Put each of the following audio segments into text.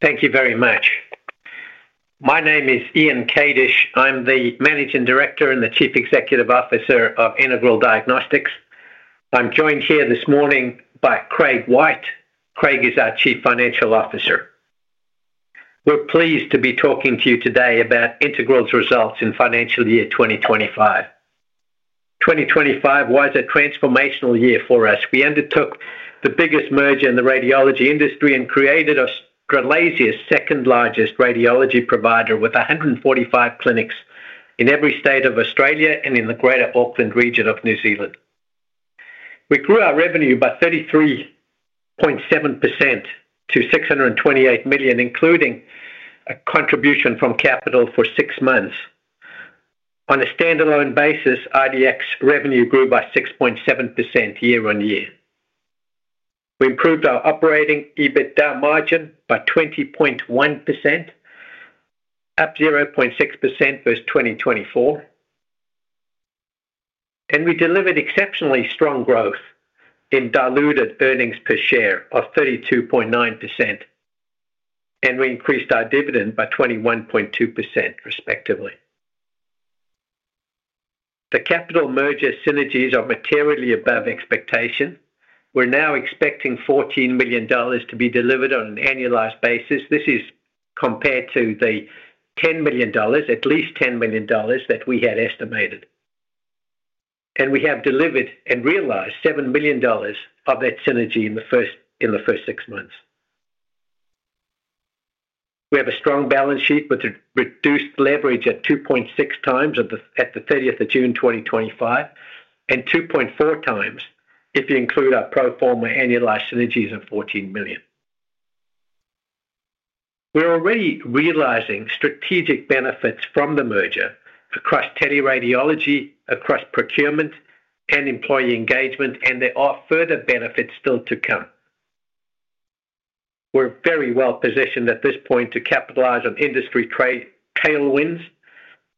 Thank you very much. My name is Ian Kadish. I'm the Managing Director and the Chief Executive Officer of Integral Diagnostics Ltd. I'm joined here this morning by Craig White. Craig is our Chief Financial Officer. We're pleased to be talking to you today about Integral's results in financial year 2025. 2025 was a transformational year for us. We undertook the biggest merger in the radiology industry and created Australia's second largest radiology provider with 145 clinics in every state of Australia and in the greater Auckland region of New Zealand. We grew our revenue by 33.7% to $628 million, including a contribution from Capital Health for six months. On a standalone basis, IDX revenue grew by 6.7% year on year. We improved our operating EBITDA margin by 20.1%, up 0.6% versus 2024. We delivered exceptionally strong growth in diluted EPS of 32.9%. We increased our dividend by 21.2%, respectively. The Capital Health merger synergies are materially above expectation. We're now expecting $14 million to be delivered on an annualized basis. This is compared to the at least $10 million that we had estimated. We have delivered and realized $7 million of that synergy in the first six months. We have a strong balance sheet with a reduced leverage at 2.6 times at the 30th of June 2025 and 2.4 times if you include our pro forma annualized synergies of $14 million. We're already realizing strategic benefits from the merger across teleradiology, across procurement and employee engagement, and there are further benefits still to come. We're very well positioned at this point to capitalize on industry tailwinds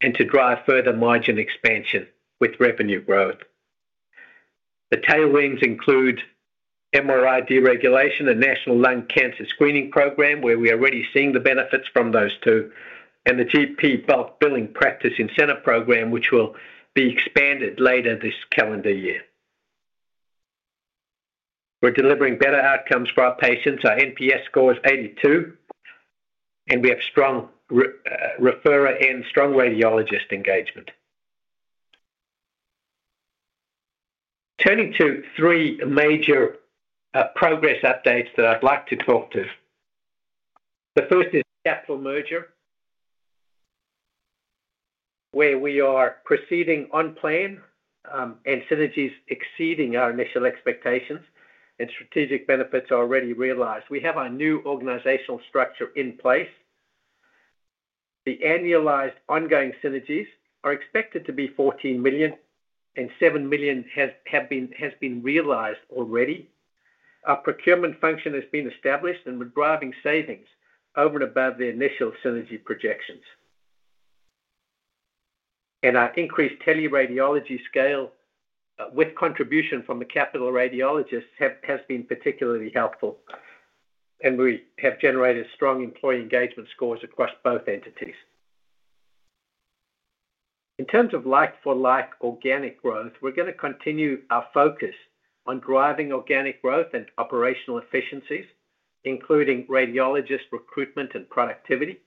and to drive further margin expansion with revenue growth. The tailwinds include MRI deregulation, a National Lung Cancer Screening Program where we're already seeing the benefits from those two, and the GP bulk billing practice incentive program, which will be expanded later this calendar year. We're delivering better outcomes for our patients. Our NPS 82, and we have strong referral and strong radiologist engagement. Turning to three major progress updates that I'd like to talk to. The first is the Capital Health merger, where we are proceeding on plan and synergies exceeding our initial expectations and strategic benefits are already realized. We have our new organizational structure in place. The annualized ongoing synergies are expected to be $14 million, and $7 million has been realized already. Our procurement function has been established, and we're driving savings over and above the initial synergy projections. Our increased teleradiology scale with contribution from the Capital Health radiologists has been particularly helpful. We have generated strong employee engagement scores across both entities. In terms of like-for-like organic growth, we're going to continue our focus on driving organic growth and operational efficiencies, including radiologist recruitment and productivity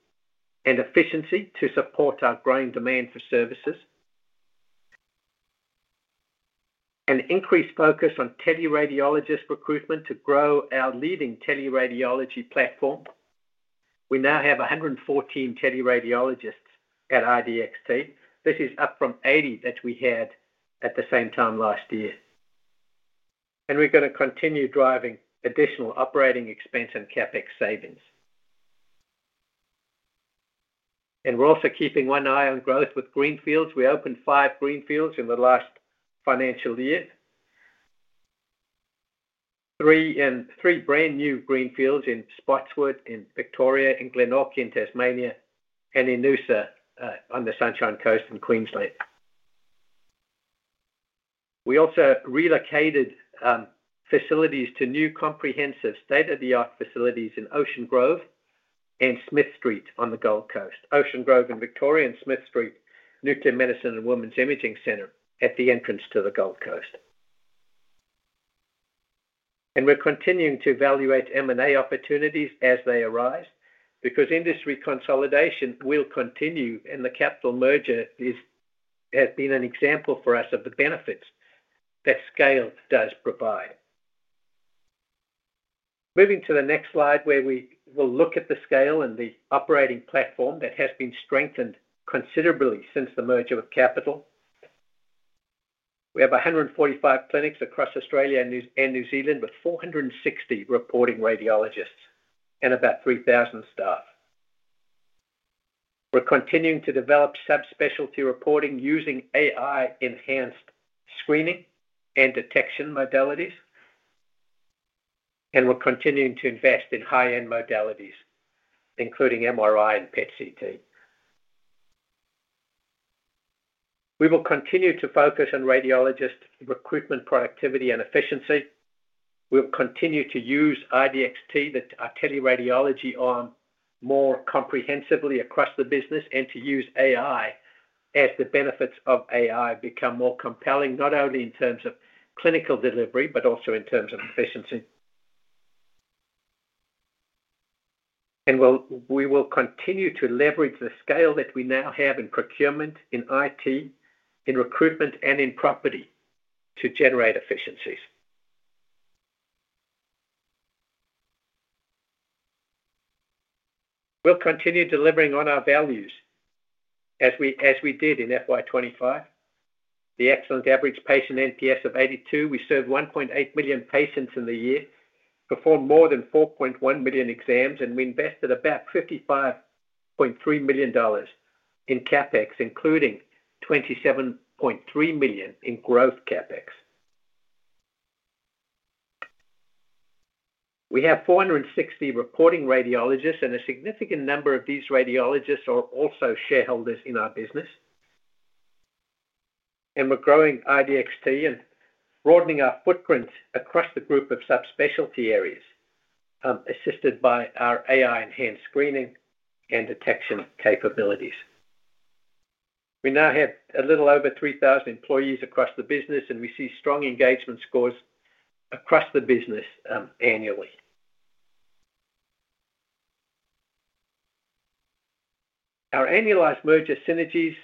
and efficiency to support our growing demand for services. An increased focus on teleradiologist recruitment to grow our leading teleradiology platform. We now have 114 teleradiologists at RDXT. This is up from 80 that we had at the same time last year. We're going to continue driving additional operating expense and CapEx savings. We're also keeping one eye on growth with greenfields. We opened five greenfields in the last financial year: three brand new greenfields in Spotswood in Victoria, Glenorchy in Tasmania, and Noosa on the Sunshine Coast in Queensland. We also relocated facilities to new comprehensive state-of-the-art facilities in Ocean Grove and Smith Street on the Gold Coast. Ocean Grove in Victoria and Smith Street, Nuclear Medicine and Women's Imaging Center at the entrance to the Gold Coast. We're continuing to evaluate M&A opportunities as they arise because industry consolidation will continue, and the Capital Health merger has been an example for us of the benefits that scale does provide. Moving to the next slide where we will look at the scale and the operating platform that has been strengthened considerably since the merger with Capital Health. We have 145 clinics across Australia and New Zealand with 460 reporting radiologists and about 3,000 staff. We're continuing to develop subspecialty reporting using AI-assisted screening and detection modalities. We're continuing to invest in high-end modalities, including MRI and PET/CT. We will continue to focus on radiologist recruitment, productivity, and efficiency. We'll continue to use RDXT, our teleradiology arm, more comprehensively across the business and to use AI as the benefits of AI become more compelling, not only in terms of clinical delivery, but also in terms of efficiency. We will continue to leverage the scale that we now have in procurement, in IT, in recruitment, and in property to generate efficiencies. We'll continue delivering on our values as we did in FY 2025, the excellent average patient NPS of 82. We serve 1.8 million patients in the year, perform more than 4.1 million exams, and we invested about $55.3 million in CapEx, including $27.3 million in growth CapEx. We have 460 reporting radiologists, and a significant number of these radiologists are also shareholders in our business. We're growing RDXT and broadening our footprint across the group of subspecialty areas, assisted by our AI-assisted screening and detection capabilities. We now have a little over 3,000 employees across the business, and we see strong engagement scores across the business annually. Our annualized merger synergies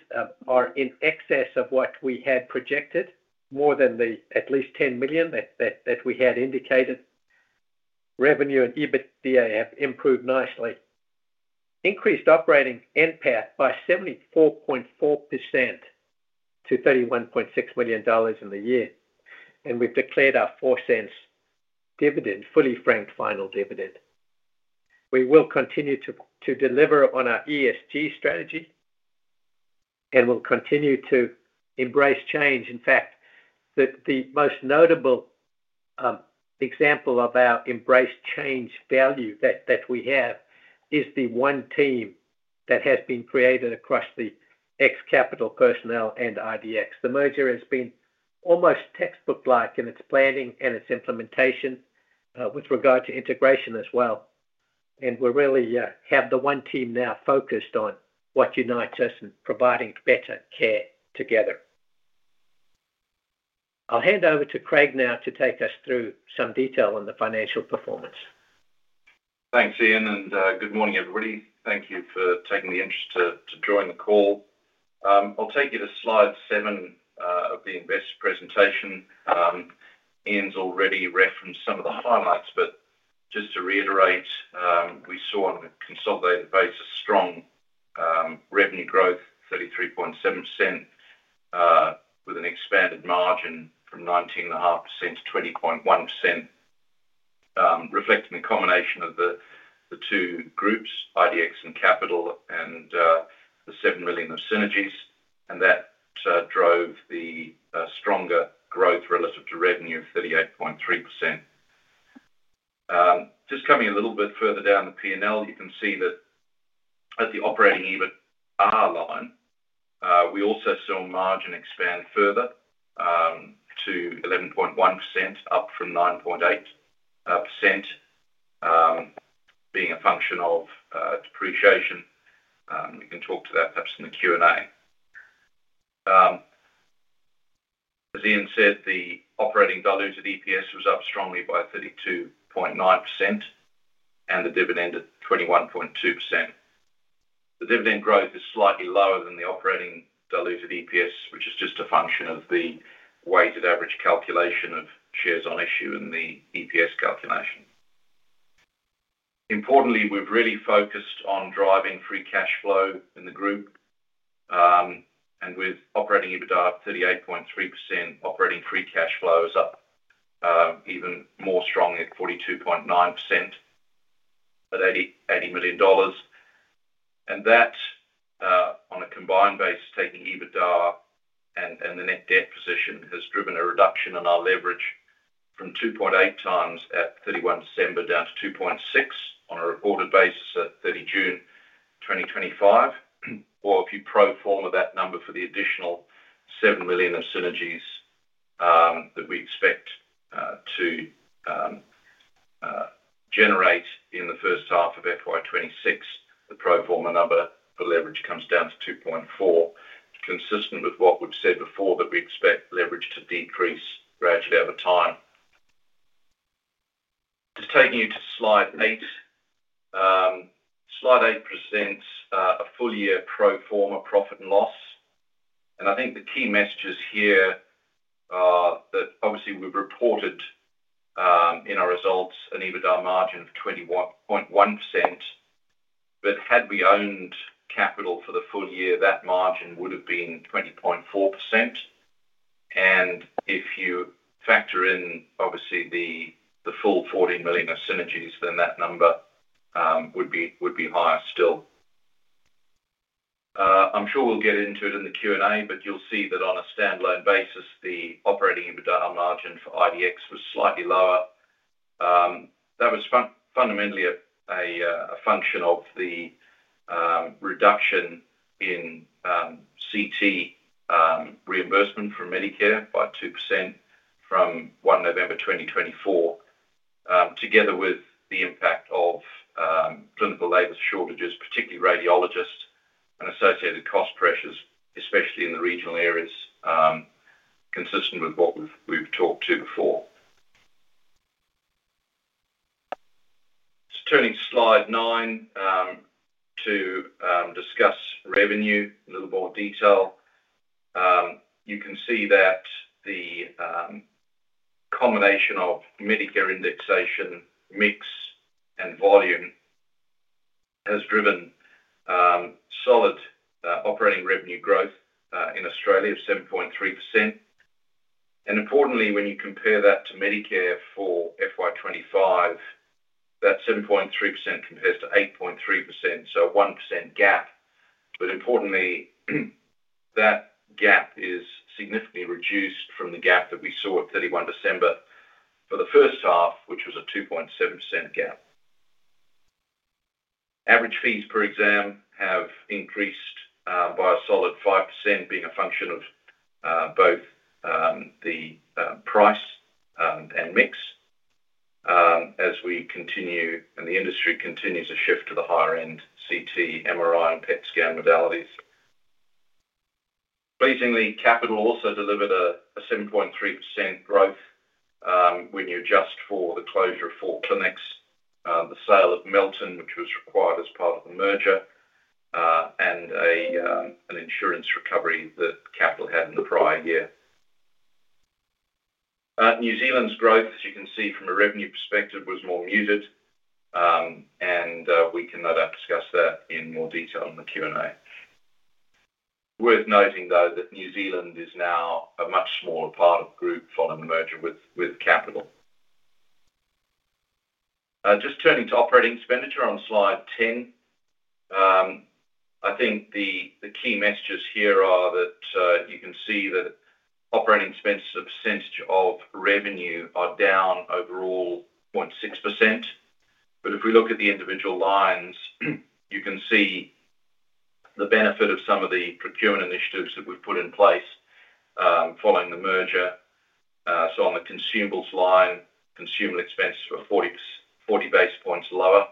are in excess of what we had projected, more than the at least $10 million that we had indicated. Revenue and EBITDA have improved nicely. Increased operating NPAT by 74.4% to $31.6 million in the year. We've declared our $0.04 dividend, fully franked final dividend. We will continue to deliver on our ESG strategy and will continue to embrace change. In fact, the most notable example of our embrace change value that we have is the one team that has been created across the ex-Capital Health personnel and IDX. The merger has been almost textbook-like in its planning and its implementation with regard to integration as well. We really have the one team now focused on what unites us in providing better care together. I'll hand over to Craig now to take us through some detail on the financial performance. Thanks, Ian, and good morning, everybody. Thank you for taking the interest to join the call. I'll take you to slide seven of the investor presentation. Ian's already referenced some of the highlights, but just to reiterate, we saw on a consolidated basis strong revenue growth, 33.7%, with an expanded margin from 19.5% to 20.1%. Reflecting the combination of the two groups, RDX and Capital Health, and the $7 million of synergies, that drove the stronger growth relative to revenue of 38.3%. Just coming a little bit further down the P&L, you can see that at the operating EBITDA line, we also saw margin expand further to 11.1%, up from 9.8%, being a function of depreciation. We can talk to that perhaps in the Q&A. As Ian said, the operating diluted EPS was up strongly by 32.9% and the dividend at 21.2%. The dividend growth is slightly lower than the operating diluted EPS, which is just a function of the weighted average calculation of shares on issue in the EPS calculation. Importantly, we've really focused on driving free cash flow in the group. With operating EBITDA of 38.3%, operating free cash flow is up even more strong at 42.9% at $80 million. That, on a combined basis, taking EBITDA and the net debt position, has driven a reduction in our leverage from 2.8x at 31 December down to 2.6x on a reported basis at 30 June 2025. If you pro forma that number for the additional $7 million of synergies that we expect to generate in the first half of FY 2026, the pro forma number for leverage comes down to 2.4, consistent with what we've said before that we expect leverage to decrease gradually over time. Just taking you to slide eight. Slide eight presents a full year pro forma profit and loss. I think the key messages here are that obviously we've reported in our results an EBITDA margin of 21.1%. Had we owned Capital Health for the full year, that margin would have been 20.4%. If you factor in obviously the full $40 million of synergies, then that number would be higher still. I'm sure we'll get into it in the Q&A, but you'll see that on a standalone basis, the operating EBITDA margin for RDX was slightly lower. That was fundamentally a function of the reduction in CT reimbursement from Medicare by 2% from 1 November 2024, together with the impact of clinical labor shortages, particularly radiologists and associated cost pressures, especially in the regional areas, consistent with what we've talked to before. Turning to slide nine to discuss revenue in a little more detail. You can see that the combination of Medicare indexation, mix, and volume has driven solid operating revenue growth in Australia of 7.3%. Importantly, when you compare that to Medicare for FY 2025, that 7.3% compares to 8.3%, so a 1% gap. Importantly, that gap is significantly reduced from the gap that we saw at 31 December for the first half, which was a 2.7% gap. Average fees per exam have increased by a solid 5%, being a function of both the price and mix as we continue and the industry continues to shift to the higher-end CT, MRI, and PET scan modalities. Pleasingly, Capital Health also delivered a 7.3% growth when you adjust for the closure of four clinics, the sale of Melton, which was required as part of the merger, and an insurance recovery that Capital Health had in the prior year. New Zealand's growth, as you can see from a revenue perspective, was more muted, and we can no doubt discuss that in more detail in the Q&A. Worth noting, though, that New Zealand is now a much smaller part of the group following the merger with Capital Health. Just turning to operating expenditure on slide 10, I think the key messages here are that you can see that operating expenses as a percentage of revenue are down overall 0.6%. If we look at the individual lines, you can see the benefit of some of the procurement initiatives that we've put in place following the merger. On the consumables line, consumable expenses were 40 basis points lower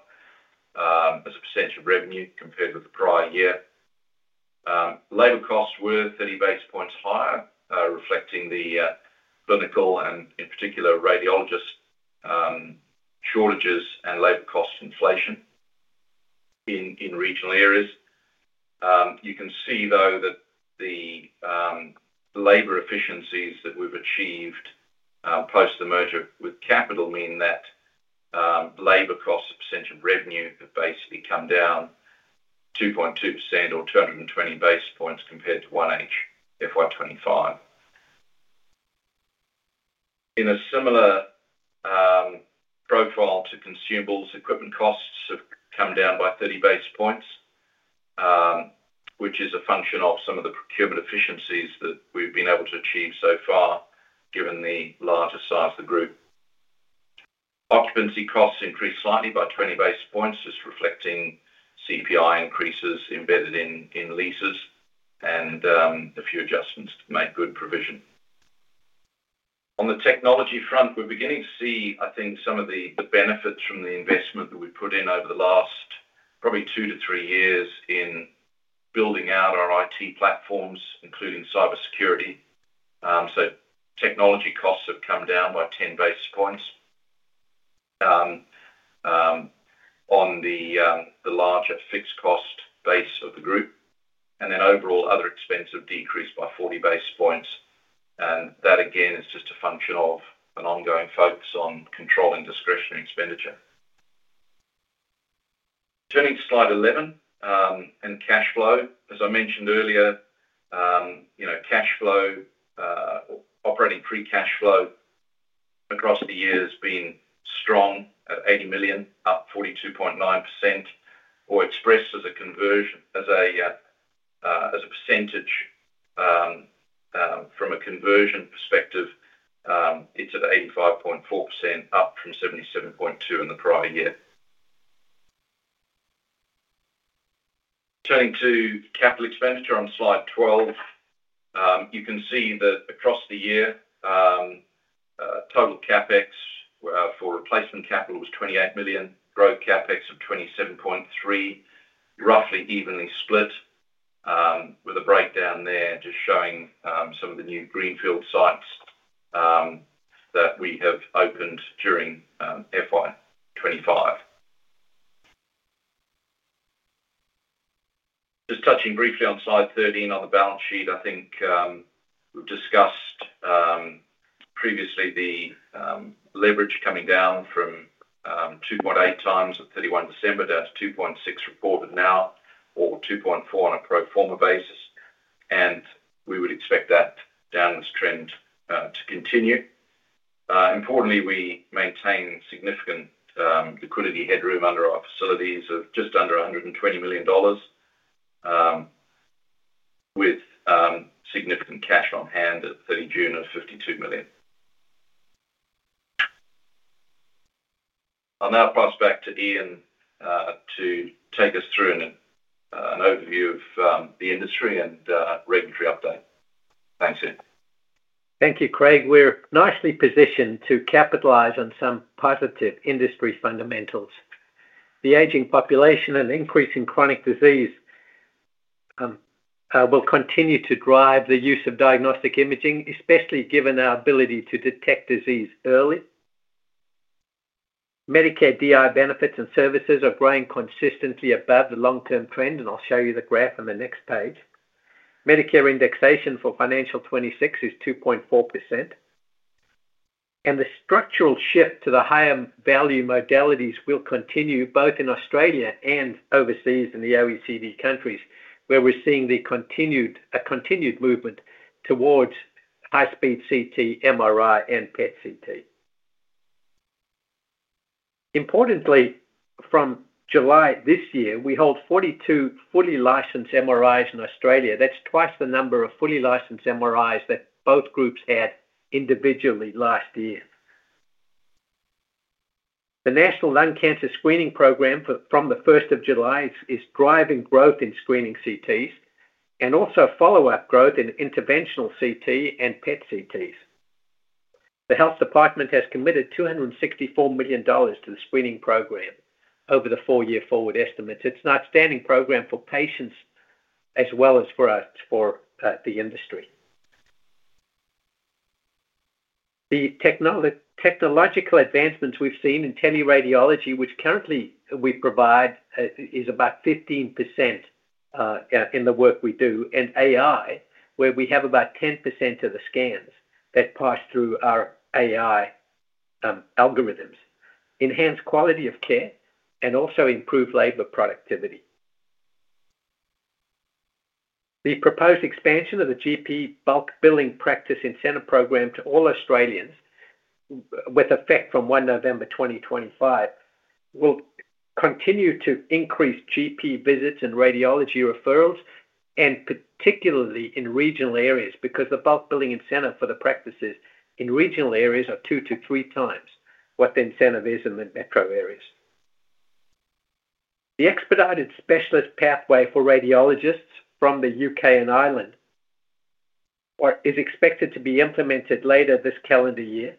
as a percent of revenue compared with the prior year. Labor costs were 30 basis points higher, reflecting the clinical and, in particular, radiologist shortages and labor cost inflation in regional areas. You can see, though, that the labor efficiencies that we've achieved post the merger with Capital Health mean that labor costs percent of revenue have basically come down 2.2% or 220 basis points compared to 1H FY 2025. In a similar profile to consumables, equipment costs have come down by 30 basis points, which is a function of some of the procurement efficiencies that we've been able to achieve so far given the larger size of the group. Occupancy costs increased slightly by 20 basis points, just reflecting CPI increases embedded in leases and the few adjustments to make good provision. On the technology front, we're beginning to see, I think, some of the benefits from the investment that we've put in over the last probably two to three years in building out our IT platforms, including cybersecurity. Technology costs have come down by 10 basis points on the larger fixed cost base of the group. Overall, other expenses have decreased by 40 basis points. That, again, is just a function of an ongoing focus on controlling discretionary expenditure. Turning to slide 11 and cash flow. As I mentioned earlier, cash flow, operating free cash flow across the year has been strong at $80 million, up 42.9%. Expressed as a percentage from a conversion perspective, it's at 85.4%, up from 77.2% in the prior year. Turning to capital expenditure on slide 12, you can see that across the year, total CapEx for replacement capital was $28 million, growth CapEx of 27.3%, roughly evenly split, with a breakdown there just showing some of the new greenfield sites that we have opened during FY 2025. Just touching briefly on slide 13 on the balance sheet, I think we've discussed previously the leverage coming down from 2.8x at 31 December down to 2.6x reported now or 2.4x on a pro forma basis. We would expect that downward trend to continue. Importantly, we maintain significant liquidity headroom under our facilities of just under $120 million, with significant cash on hand at 30 June of $52 million. I'll now pass back to Ian to take us through an overview of the industry and revenue update. Thanks, Ian. Thank you, Craig. We're nicely positioned to capitalize on some positive industry fundamentals. The aging population and increase in chronic disease will continue to drive the use of diagnostic imaging, especially given our ability to detect disease early. Medicare DI benefits and services are growing consistently above the long-term trend, and I'll show you the graph on the next page. Medicare indexation for financial 2026 is 2.4%. The structural shift to the higher value modalities will continue both in Australia and overseas in the OECD countries, where we're seeing a continued movement towards high-speed CT, MRI, and PET/CT. Importantly, from July this year, we hold 42 fully licensed MRIs in Australia. That's twice the number of fully licensed MRIs that both groups had individually last year. The National Lung Cancer Screening Program from the 1st of July is driving growth in screening CTs and also follow-up growth in interventional CT and PET/CTs. The Health Department has committed $264 million to the screening program over the four-year forward estimates. It's an outstanding program for patients as well as for us, for the industry. The technological advancements we've seen in teleradiology, which currently we provide is about 15% in the work we do, and AI, where we have about 10% of the scans that pass through our AI algorithms, enhance quality of care and also improve labor productivity. The proposed expansion of the GP bulk billing practice incentive program to all Australians with effect from 1 November 2025 will continue to increase GP visits and radiology referrals, particularly in regional areas because the bulk billing incentive for the practices in regional areas are two to three times what the incentive is in the metro areas. The expedited specialist pathway for radiologists from the UK and Ireland is expected to be implemented later this calendar year,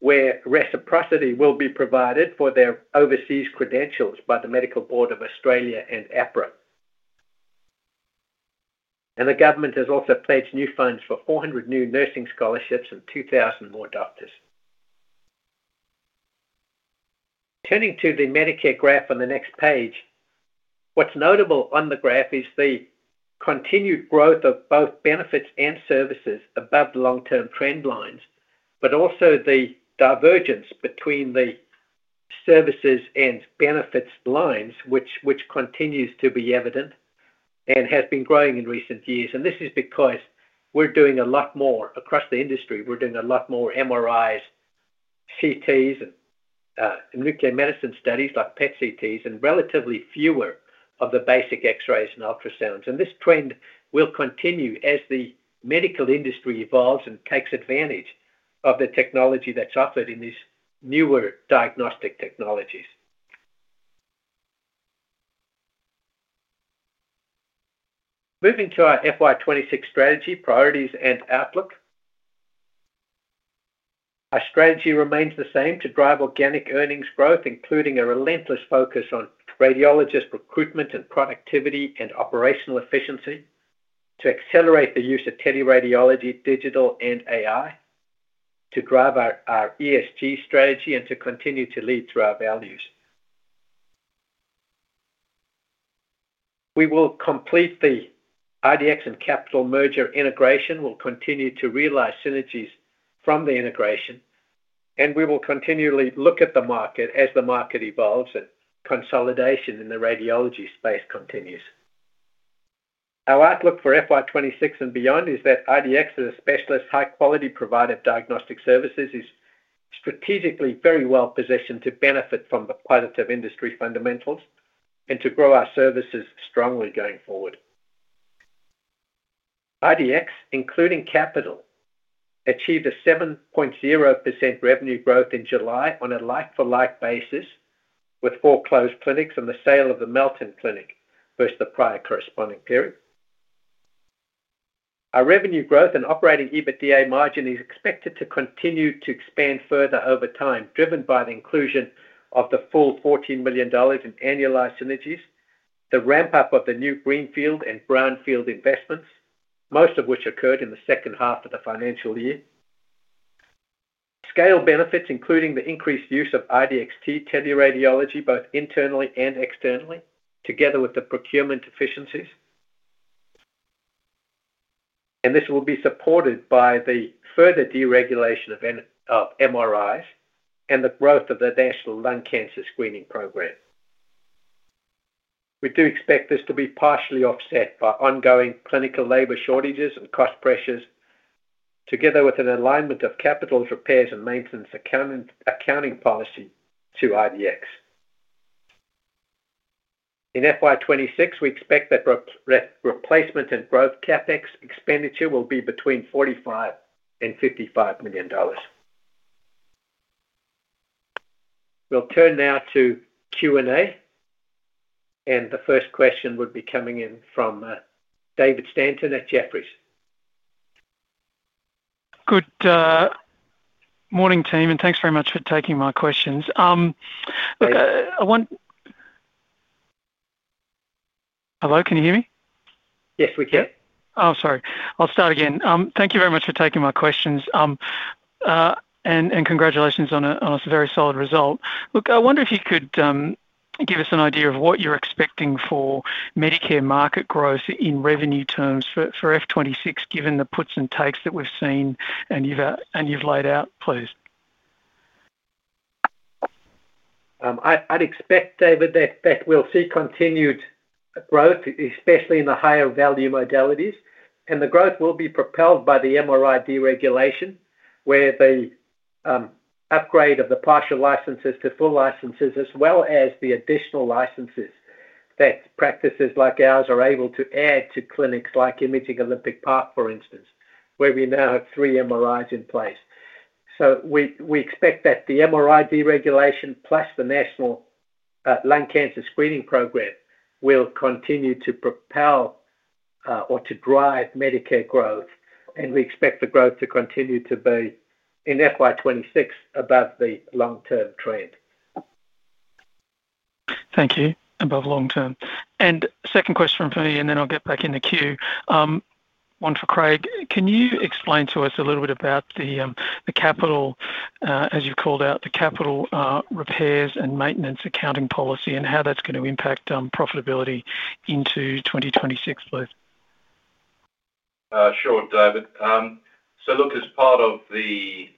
where reciprocity will be provided for their overseas credentials by the Medical Board of Australia and AHPRA. The government has also pledged new funds for 400 new nursing scholarships and 2,000 more doctors. Turning to the Medicare graph on the next page, what's notable on the graph is the continued growth of both benefits and services above the long-term trend lines, but also the divergence between the services and benefits lines, which continues to be evident and has been growing in recent years. This is because we're doing a lot more across the industry. We're doing a lot more MRIs, CTs, and nuclear medicine studies like PET/CTs, and relatively fewer of the basic x-rays and ultrasounds. This trend will continue as the medical industry evolves and takes advantage of the technology that's offered in these newer diagnostic technologies. Moving to our FY 2026 strategy, priorities, and outlook. Our strategy remains the same: to drive organic earnings growth, including a relentless focus on radiologist recruitment and productivity and operational efficiency, to accelerate the use of teleradiology, digital, and AI, to drive our ESG strategy, and to continue to lead through our values. We will complete the Integral Diagnostics and Capital Health merger integration. We'll continue to realize synergies from the integration. We will continually look at the market as the market evolves and consolidation in the radiology space continues. Our outlook for FY 2026 and beyond is that Integral Diagnostics, as a specialist high-quality provider of diagnostic services, is strategically very well positioned to benefit from the positive industry fundamentals and to grow our services strongly going forward. Integral Diagnostics, including Capital Health, achieved a 7.0% revenue growth in July on a like-for-like basis with four closed clinics and the sale of the Melton Clinic versus the prior corresponding period. Our revenue growth and operating EBITDA margin is expected to continue to expand further over time, driven by the inclusion of the full $14 million in annualized synergies, the ramp-up of the new greenfield and brownfield investments, most of which occurred in the second half of the financial year, scale benefits, including the increased use of the RDXT teleradiology platform both internally and externally, together with the procurement efficiencies. This will be supported by the further deregulation of MRIs and the growth of the National Lung Cancer Screening Program. We do expect this to be partially offset by ongoing clinical labor shortages and cost pressures, together with an alignment of Capital Health repairs and maintenance accounting policy to Integral Diagnostics. In FY 2026, we expect that replacement and growth CapEx expenditure will be between $45 million and $55 million. We'll turn now to Q&A, and the first question would be coming in from David Stanton at Jefferies. Good morning, team, and thanks very much for taking my questions. Hello, can you hear me? Yes, we can. Thank you very much for taking my questions, and congratulations on a very solid result. Look, I wonder if you could give us an idea of what you're expecting for Medicare market growth in revenue terms for FY 2026, given the puts and takes that we've seen and you've laid out, please. I'd expect, David, that we'll see continued growth, especially in the higher value modalities. The growth will be propelled by the MRI deregulation, where the upgrade of the partial licenses to full licenses, as well as the additional licenses that practices like ours are able to add to clinics like Imaging Olympic Park, for instance, where we now have three MRIs in place. We expect that the MRI deregulation, plus the National Lung Cancer Screening Program, will continue to propel or to drive Medicare growth. We expect the growth to continue to be, in FY 2026, above the long-term trend. Thank you, above long-term. Second question from me, and then I'll get back in the queue. One for Craig. Can you explain to us a little bit about the capital, as you've called out, the capital repairs and maintenance accounting policy, and how that's going to impact profitability into 2026, please? Sure, David. As part of the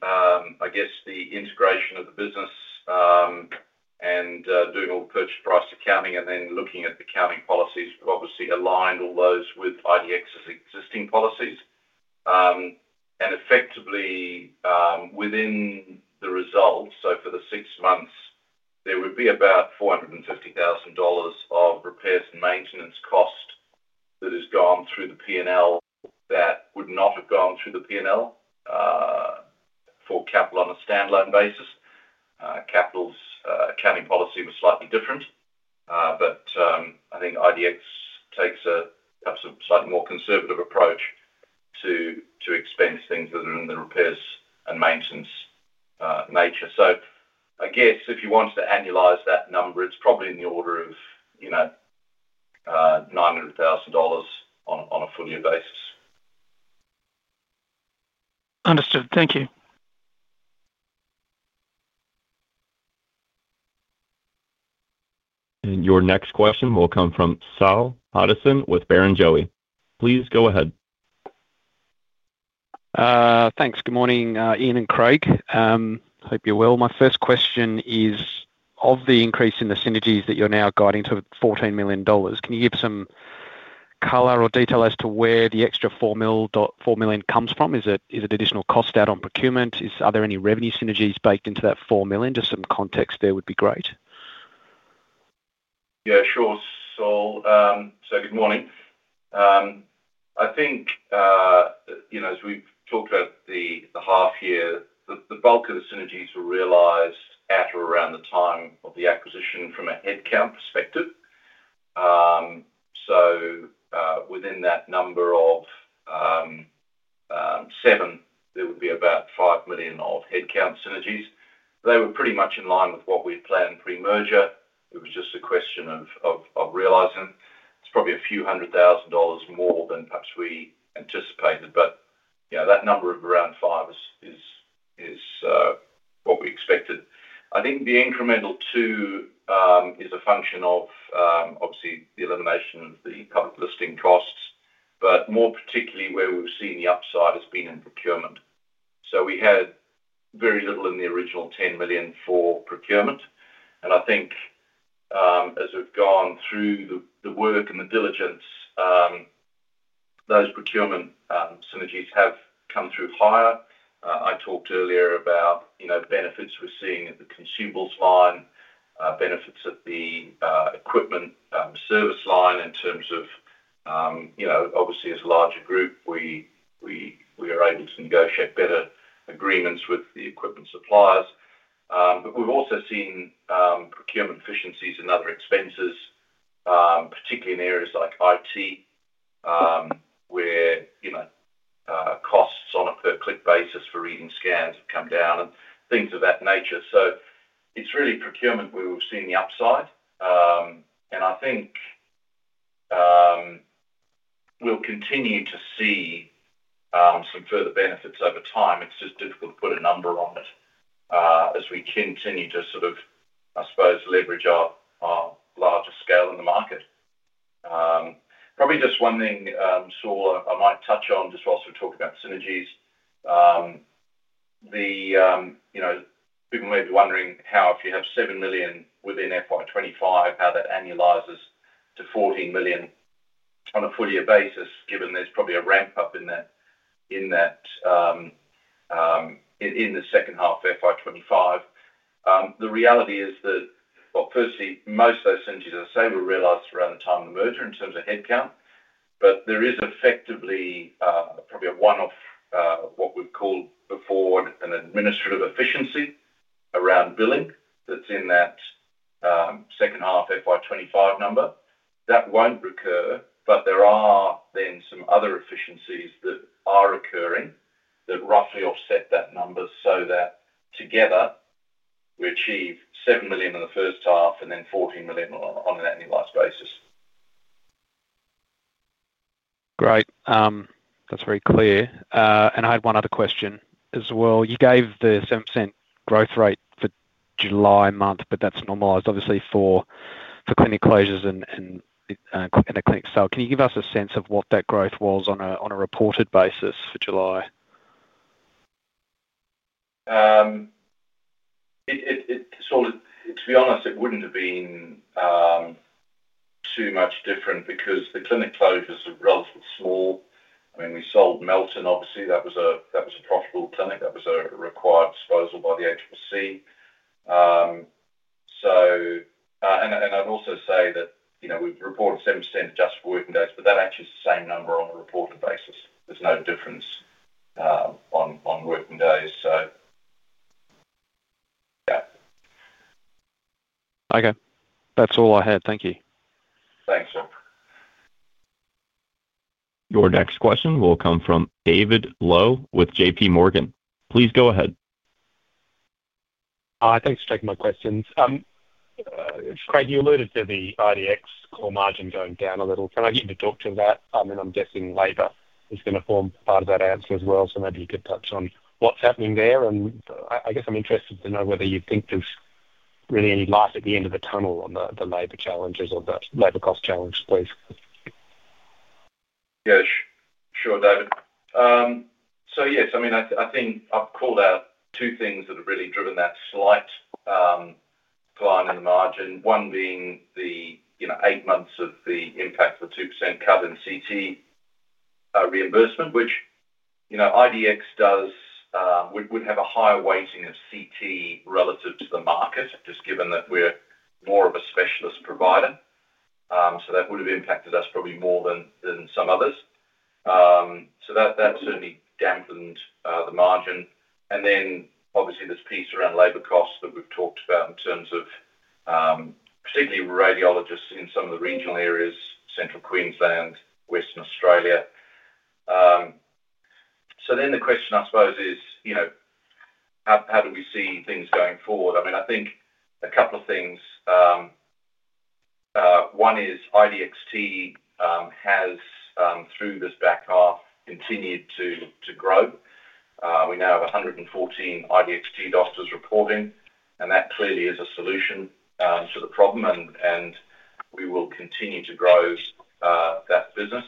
integration of the business and doing all the purchase price accounting and then looking at the accounting policies, we've obviously aligned all those with IDX's existing policies. Effectively, within the result for the six months, there would be about $450,000 of repairs and maintenance cost that has gone through the P&L that would not have gone through the P&L for Capital Health on a standalone basis. Capital Health's accounting policy was slightly different. I think IDX takes a slightly more conservative approach to expense things in the repairs and maintenance nature. If you want to annualize that number, it's probably in the order of $900,000 on a full-year basis. Understood. Thank you. Your next question will come from Saul Hadassin with Barrenjoey. Please go ahead. Thanks. Good morning, Ian and Craig. Hope you're well. My first question is, of the increase in the synergies that you're now guiding to $14 million, can you give some color or detail as to where the extra $4 million comes from? Is it additional cost out on procurement? Are there any revenue synergies baked into that $4 million? Just some context there would be great. Yeah, sure. Good morning. I think, as we've talked about the half year, the bulk of the synergies were realized at or around the time of the acquisition from a headcount perspective. Within that number of seven, there would be about $5 million of headcount synergies. They were pretty much in line with what we'd planned pre-merger. It was just a question of realizing probably a few hundred thousand dollars more than perhaps we anticipated. That number of around five is what we expected. I think the incremental two is a function of, obviously, the elimination of the public listing costs, but more particularly where we've seen the upside has been in procurement. We had very little in the original $10 million for procurement. As we've gone through the work and the diligence, those procurement synergies have come through higher. I talked earlier about the benefits we're seeing in the consumables line, benefits of the equipment service line in terms of, obviously, as a larger group, we are able to negotiate better agreements with the equipment suppliers. We've also seen procurement efficiencies and other expenses, particularly in areas like IT, where costs on a per-click basis for reading scans have come down and things of that nature. It's really procurement where we've seen the upside. I think we'll continue to see some further benefits over time. It's just difficult to put a number on it as we continue to sort of leverage our larger scale in the market. Probably just one thing, Saul, I might touch on whilst we're talking about synergies. You may be wondering how, if you have $7 million within FY 2025, how that annualizes to $14 million on a full-year basis, given there's probably a ramp-up in that in the second half of FY 2025. The reality is that, firstly, most of those synergies, as I say, were realized around the time of the merger in terms of headcount. There is effectively probably a one-off what we call for an administrative efficiency around billing that's in that second half FY 2025 number. That won't recur, but there are then some other efficiencies that are occurring that roughly offset that number so that together we achieve $7 million in the first half and then $14 million on an annualized basis. Great. That's very clear. I had one other question as well. You gave the 7% growth rate for July month, but that's normalized, obviously, for clinic closures and in a clinic sale. Can you give us a sense of what that growth was on a reported basis for July? To be honest, it wouldn't have been too much different because the clinic closures were relatively small. I mean, we sold Melton, obviously. That was a profitable clinic. That was a required disposal by the HBC. I'd also say that we report 7% adjustable working days, but that actually is the same number on a reported basis. There's no difference on working days. Okay, that's all I had. Thank you. Your next question will come from David Low with JP Morgan. Please go ahead. Thanks for taking my questions. Craig, you alluded to the RDX core margin going down a little. Can I get you to talk to that? I'm guessing labor is going to form part of that answer as well, so maybe you could touch on what's happening there. I guess I'm interested to know whether you think there's really any light at the end of the tunnel on the labor challenges or the labor cost challenge, please. Yeah. Sure, David. Yes, I think I've called out two things that have really driven that slight decline in the margin. One being the eight months of the impact for 2% covered in CT reimbursement, which RDX would have a higher weighting of CT relative to the market, just given that we're more of a specialist provider. That would have impacted us probably more than some others. That certainly dampened the margin. Obviously, this piece around labor costs that we've talked about in terms of particularly radiologists in some of the regional areas, Central Queensland, Western Australia. The question, I suppose, is how do we see things going forward? I think a couple of things. One is RDXT has, through this back half, continued to grow. We now have 114 RDXT doctors reporting, and that clearly is a solution to the problem. We will continue to grow that business.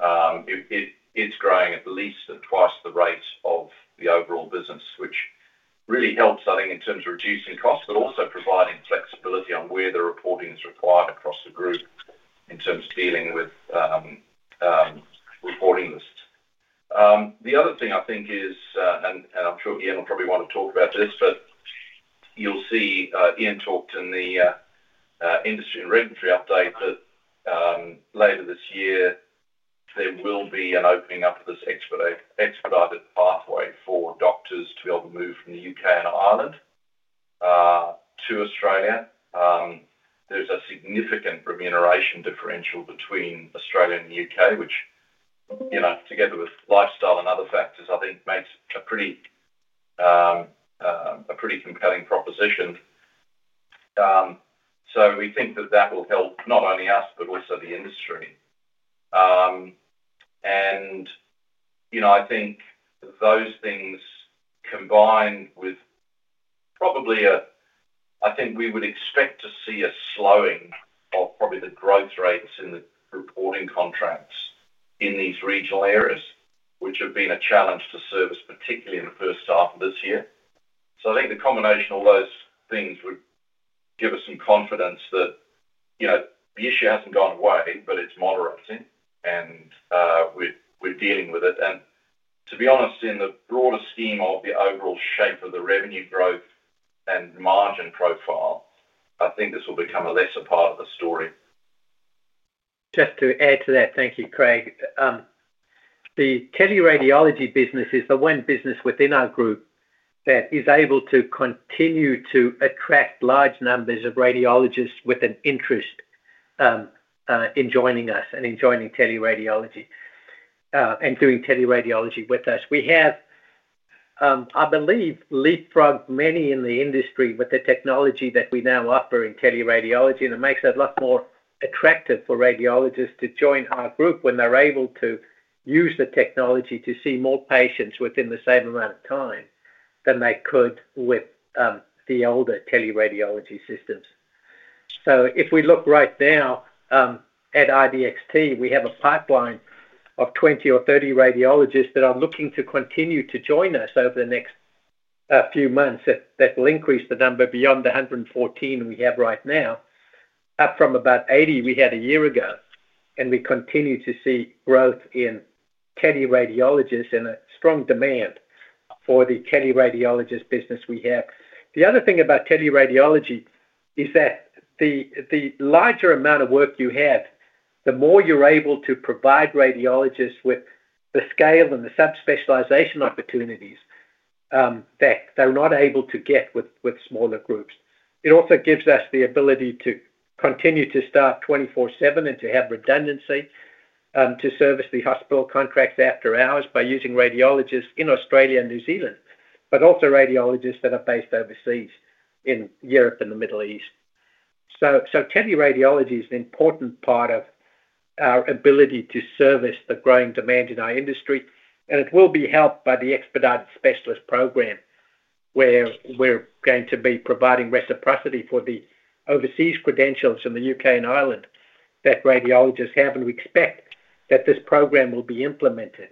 It is growing at at least twice the rate of the overall business, which really helps in terms of reducing costs, but also providing flexibility on where the reporting is required across the group in terms of dealing with reporting lists. The other thing I think is, and I'm sure Ian will probably want to talk about this, you'll see Ian talked in the industry and regulatory update that later this year, there will be an opening up of this expedited pathway for doctors to be able to move from the UK and Ireland to Australia. There's a significant remuneration differential between Australia and the UK, which, together with lifestyle and other factors, I think makes a pretty compelling proposition. We think that will help not only us, but also the industry. I think those things combined with probably a, I think we would expect to see a slowing of probably the growth rates in the reporting contracts in these regional areas, which have been a challenge to service, particularly in the first half of this year. I think the combination of all those things would give us some confidence that the issue hasn't gone away, but it's moderating, and we're dealing with it. To be honest, in the broader scheme of the overall shape of the revenue growth and margin profile, I think this will become a lesser part of the story. Just to add to that, thank you, Craig. The teleradiology business is the one business within our group that is able to continue to attract large numbers of radiologists with an interest in joining us and in joining teleradiology and doing teleradiology with us. We have, I believe, leapfrogged many in the industry with the technology that we now offer in teleradiology, and it makes it a lot more attractive for radiologists to join our group when they're able to use the technology to see more patients within the same amount of time than they could with the older teleradiology systems. If we look right now at RDXT, we have a pipeline of 20 or 30 radiologists that are looking to continue to join us over the next few months. That will increase the number beyond the 114 we have right now, up from about 80 we had a year ago. We continue to see growth in teleradiologists and a strong demand for the teleradiology business we have. The other thing about teleradiology is that the larger amount of work you have, the more you're able to provide radiologists with the scale and the subspecialisation opportunities that they're not able to get with smaller groups. It also gives us the ability to continue to start 24/7 and to have redundancy to service the hospital contracts after hours by using radiologists in Australia and New Zealand, but also radiologists that are based overseas in Europe and the Middle East. Teleradiology is an important part of our ability to service the growing demand in our industry. It will be helped by the expedited specialist pathway where we're going to be providing reciprocity for the overseas credentials in the UK and Ireland that radiologists have. We expect that this program will be implemented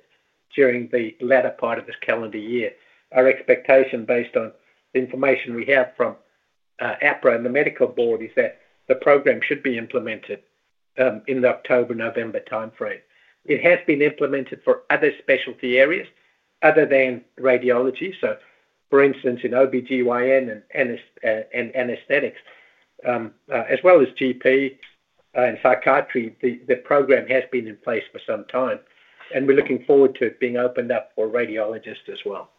during the latter part of this calendar year. Our expectation, based on the information we have from APRA and the medical board, is that the program should be implemented in the October-November timeframe. It has been implemented for other specialty areas other than radiology. For instance, in OB-GYN and anesthetics, as well as GP and psychiatry, the program has been in place for some time. We're looking forward to it being opened up for radiologists as well.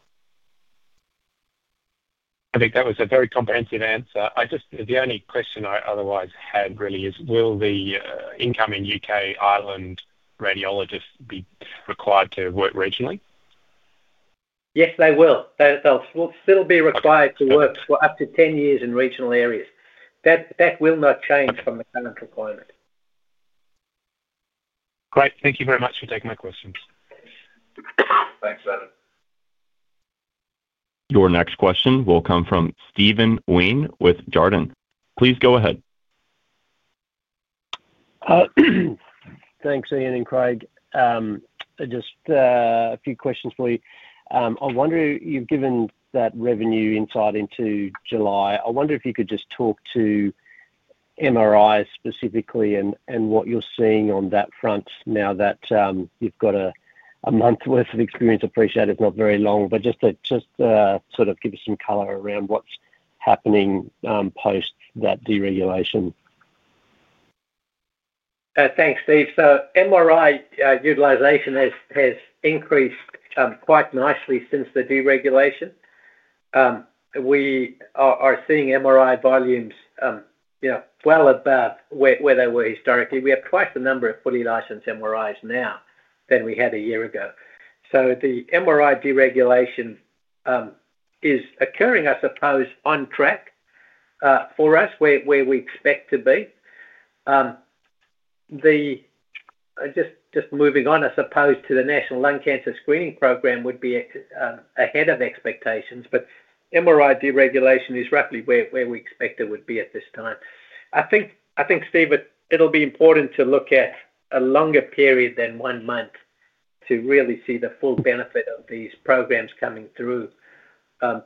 I think that was a very comprehensive answer. The only question I otherwise had really is, will the incoming UK, Ireland radiologists be required to work regionally? Yes, they will. They'll still be required to work for up to 10 years in regional areas. That will not change from the current requirement. Great. Thank you very much for taking my questions. Your next question will come from Steven Wheen with Jarden. Please go ahead. Thanks, Ian and Craig. Just a few questions for you. I wonder, you've given that revenue insight into July. I wonder if you could just talk to MRIs specifically and what you're seeing on that front now that you've got a month's worth of experience. Appreciated, if not very long, but just to just sort of give us some color around what's happening post that deregulation. Thanks, Steve. MRI utilization has increased quite nicely since the deregulation. We are seeing MRI volumes well above where they were historically. We have twice the number of fully licensed MRIs now than we had a year ago. The MRI deregulation is occurring, I suppose, on track for us where we expect to be. Just moving on, I suppose, to the National Lung Cancer Screening Program would be ahead of expectations, but MRI deregulation is roughly where we expect it would be at this time. I think, Steve, it'll be important to look at a longer period than one month to really see the full benefit of these programs coming through.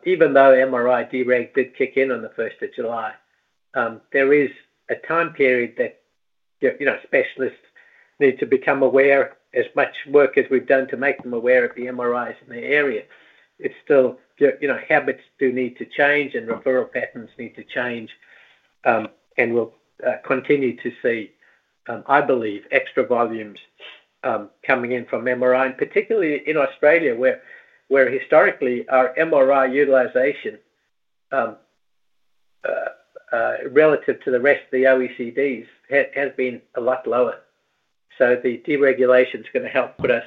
Even though MRI deregulation did kick in on July 1, there is a time period that specialists need to become aware, as much work as we've done to make them aware of the MRIs in the area. It's still habits do need to change and referral patterns need to change. We'll continue to see, I believe, extra volumes coming in from MRI, particularly in Australia, where historically our MRI utilization relative to the rest of the OECDs has been a lot lower. The deregulation is going to help put us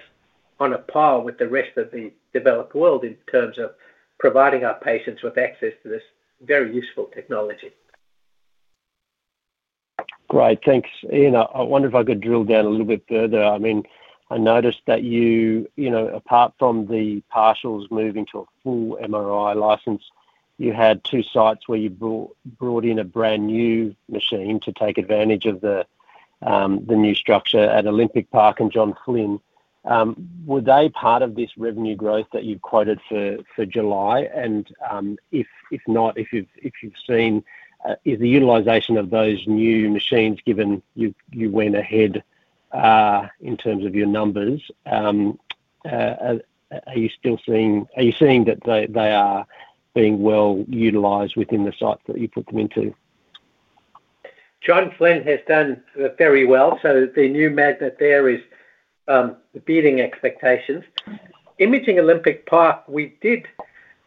on a par with the rest of the developed world in terms of providing our patients with access to this very useful technology. Great. Thanks, Ian. I wonder if I could drill down a little bit further. I noticed that you, apart from the partials moving to a full MRI license, had two sites where you brought in a brand new machine to take advantage of the new structure at Olympic Park and John Flynn. Were they part of this revenue growth that you quoted for July? If not, have you seen, is the utilization of those new machines, given you went ahead in terms of your numbers, are you seeing that they are being well utilized within the sites that you put them into? John Flynn has done very well. The new magnet there is beating expectations. Imaging Olympic Park, we did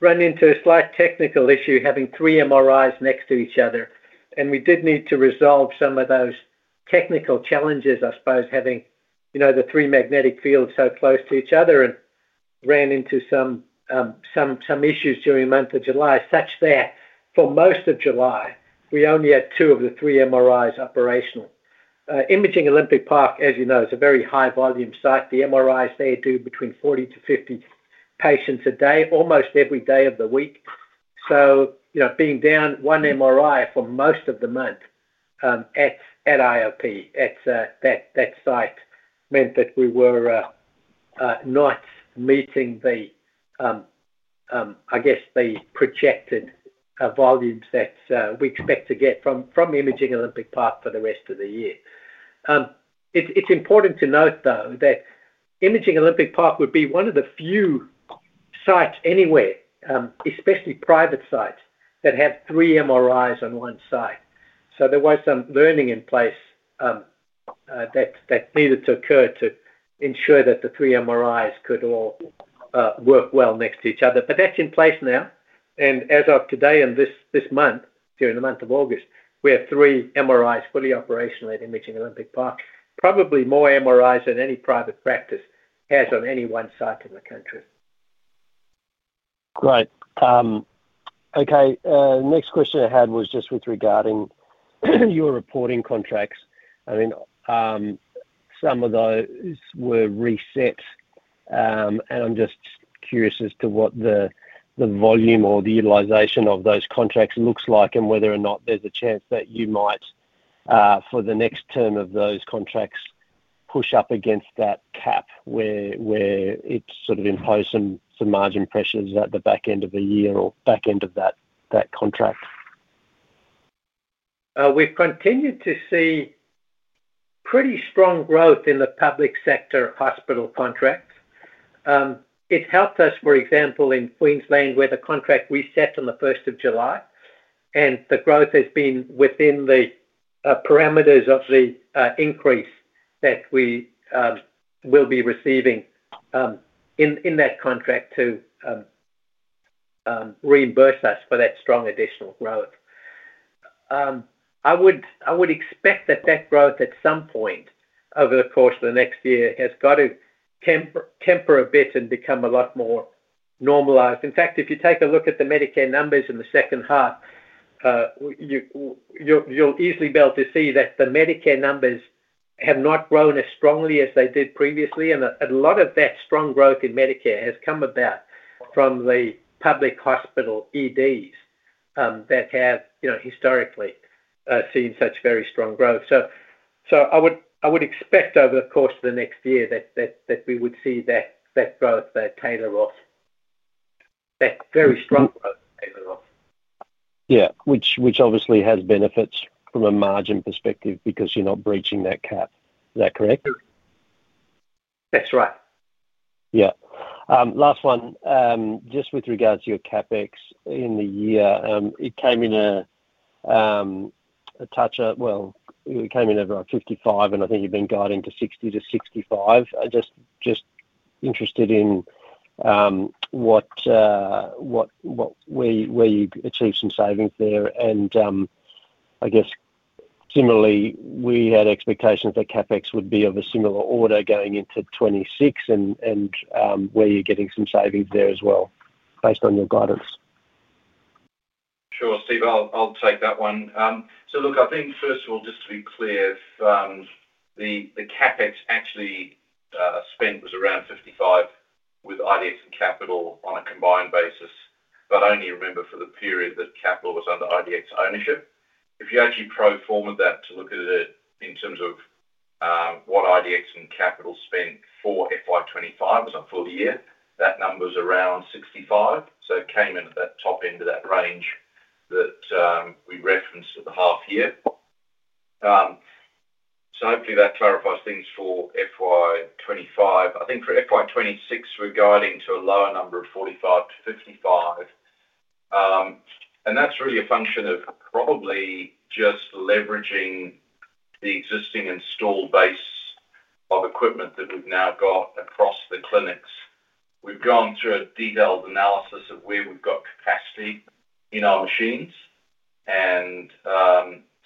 run into a slight technical issue having three MRIs next to each other. We did need to resolve some of those technical challenges, having the three magnetic fields so close to each other, and ran into some issues during the month of July, such that for most of July, we only had two of the three MRIs operational. Imaging Olympic Park, as you know, is a very high-volume site. The MRIs there do between 40-50 patients a day, almost every day of the week. Being down one MRI for most of the month at Imaging Olympic Park meant that we were not meeting the projected volumes that we expect to get from Imaging Olympic Park for the rest of the year. It's important to note, though, that Imaging Olympic Park would be one of the few sites anywhere, especially private sites, that have three MRIs on one site. There was some learning in place that needed to occur to ensure that the three MRIs could all work well next to each other. That's in place now. As of today and this month, during the month of August, we have three MRIs fully operational at Imaging Olympic Park. Probably more MRIs than any private practice has on any one site in the country. Great. Okay. Next question I had was just regarding your reporting contracts. Some of those were reset. I'm just curious as to what the volume or the utilization of those contracts looks like and whether or not there's a chance that you might, for the next term of those contracts, push up against that cap where it's sort of imposing some margin pressures at the back end of the year or back end of that contract. We've continued to see pretty strong growth in the public sector hospital contracts. It's helped us, for example, in Queensland, where the contract reset on the 1st of July, and the growth has been within the parameters of the increase that we will be receiving in that contract to reimburse us for that strong additional growth. I would expect that growth at some point over the course of the next year has got to temper a bit and become a lot more normalized. In fact, if you take a look at the Medicare numbers in the second half, you'll easily be able to see that the Medicare numbers have not grown as strongly as they did previously. A lot of that strong growth in Medicare has come about from the public hospital EDs that have historically seen such very strong growth. I would expect over the course of the next year that we would see that growth tailor off, that very strong growth tailor off. Yeah, which obviously has benefits from a margin perspective because you're not breaching that cap. Is that correct? That's right. Yeah. Last one, just with regards to your CapEx in the year, it came in a touch over $55 million, and I think you've been guiding to $60 million-$65 million. I'm just interested in where you achieved some savings there. I guess, similarly, we had expectations that CapEx would be of a similar order going into 2026. Where you're getting some savings there as well, based on your guidance. Sure, Steve. I'll take that one. I think, first of all, just to be clear, the CapEx actually spent was around $55 million with IDX Capital on a combined basis, but only remember for the period that Capital was under IDX ownership. If you actually pro forma that to look at it in terms of what IDX and Capital spent for FY 2025, it's not full year, that number's around $65 million. It came in at that top end of that range that we referenced at the half year. Hopefully, that clarifies things for FY 2025. For FY 2026, we're guiding to a lower number of $45 million-$55 million. That's really a function of probably just leveraging the existing installed base of equipment that we've now got across the clinics. We've gone through a detailed analysis of where we've got capacity in our machines, and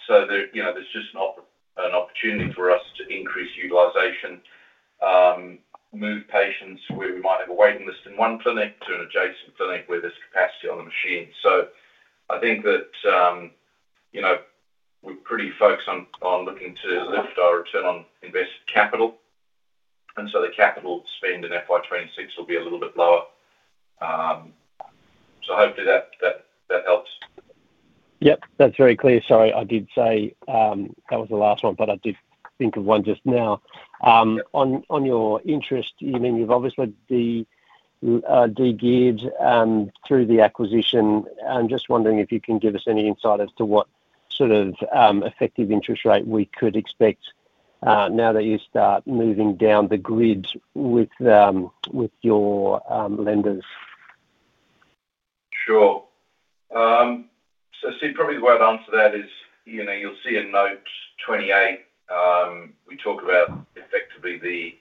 there's just not an opportunity for us to increase utilization, move patients who are overweight in less than one clinic to an adjacent clinic where there's capacity on the machine. I think that we're pretty focused on looking to lift our return on invested capital, and the capital spend in FY 2026 will be a little bit lower. Hopefully, that helps. Yep. That's very clear. Sorry, I did say that was the last one, but I did think of one just now. On your interest, you mean you've obviously degeared through the acquisition. I'm just wondering if you can give us any insight as to what sort of effective interest rate we could expect now that you start moving down the grid with your lenders. Sure. I'd say probably the right answer to that is, you'll see in note 28, we talked about probably the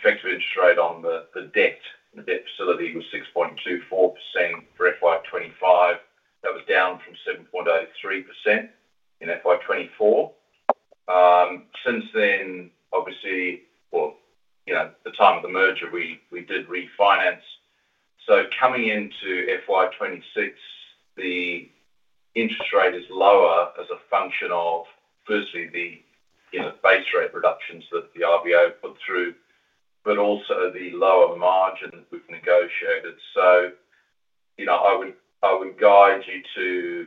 future interest rate on the debt. The debt facility was 6.24% for FY 2025. That was down from 7.83% in FY 2024. Since then, obviously, at the time of the merger, we did refinance. Coming into FY 2026, the interest rate is lower as a function of, firstly, the base rate reductions that the RBA put through, but also the lower margin that was negotiated. I would guide you to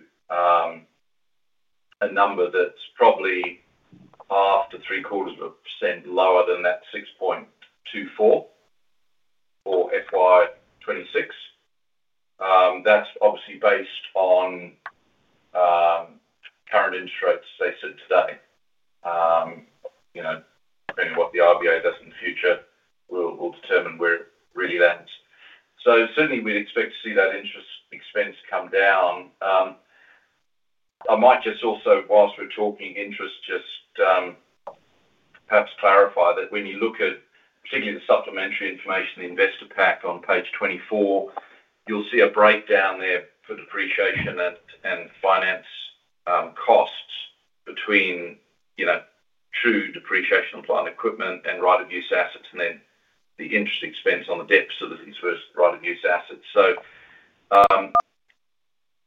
a number that's probably half to three-quarters of a percent lower than that 6.24% for FY 2026. That's obviously based on current interest rates based on today. Depending on what the RBA does in the future will determine where it really lands. We expect to see that interest expense come down. I might just also, whilst we're talking interest, perhaps clarify that when you look at particularly the supplementary information in the investor pack on page 24, you'll see a breakdown there for depreciation and finance costs between true depreciation of plant equipment and right-of-use assets, and then the interest expense on the debt facilities versus right-of-use assets.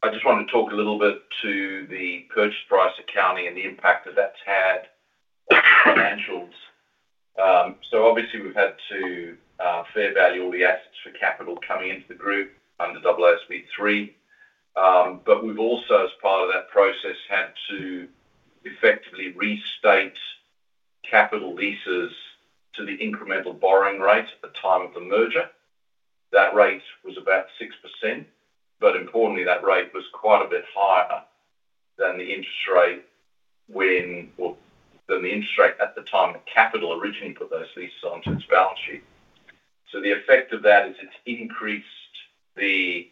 I just want to talk a little bit to the purchase price accounting and the impact that that's had on financials. We've had to fair value all the assets for Capital Health coming into the group under WSP3. As part of that process, we had to effectively restate capital leases to the incremental borrowing rate at the time of the merger. That rate was about 6%. Importantly, that rate was quite a bit higher than the interest rate at the time that Capital Health originally put those leases onto its balance sheet. The effect of that is it's increased the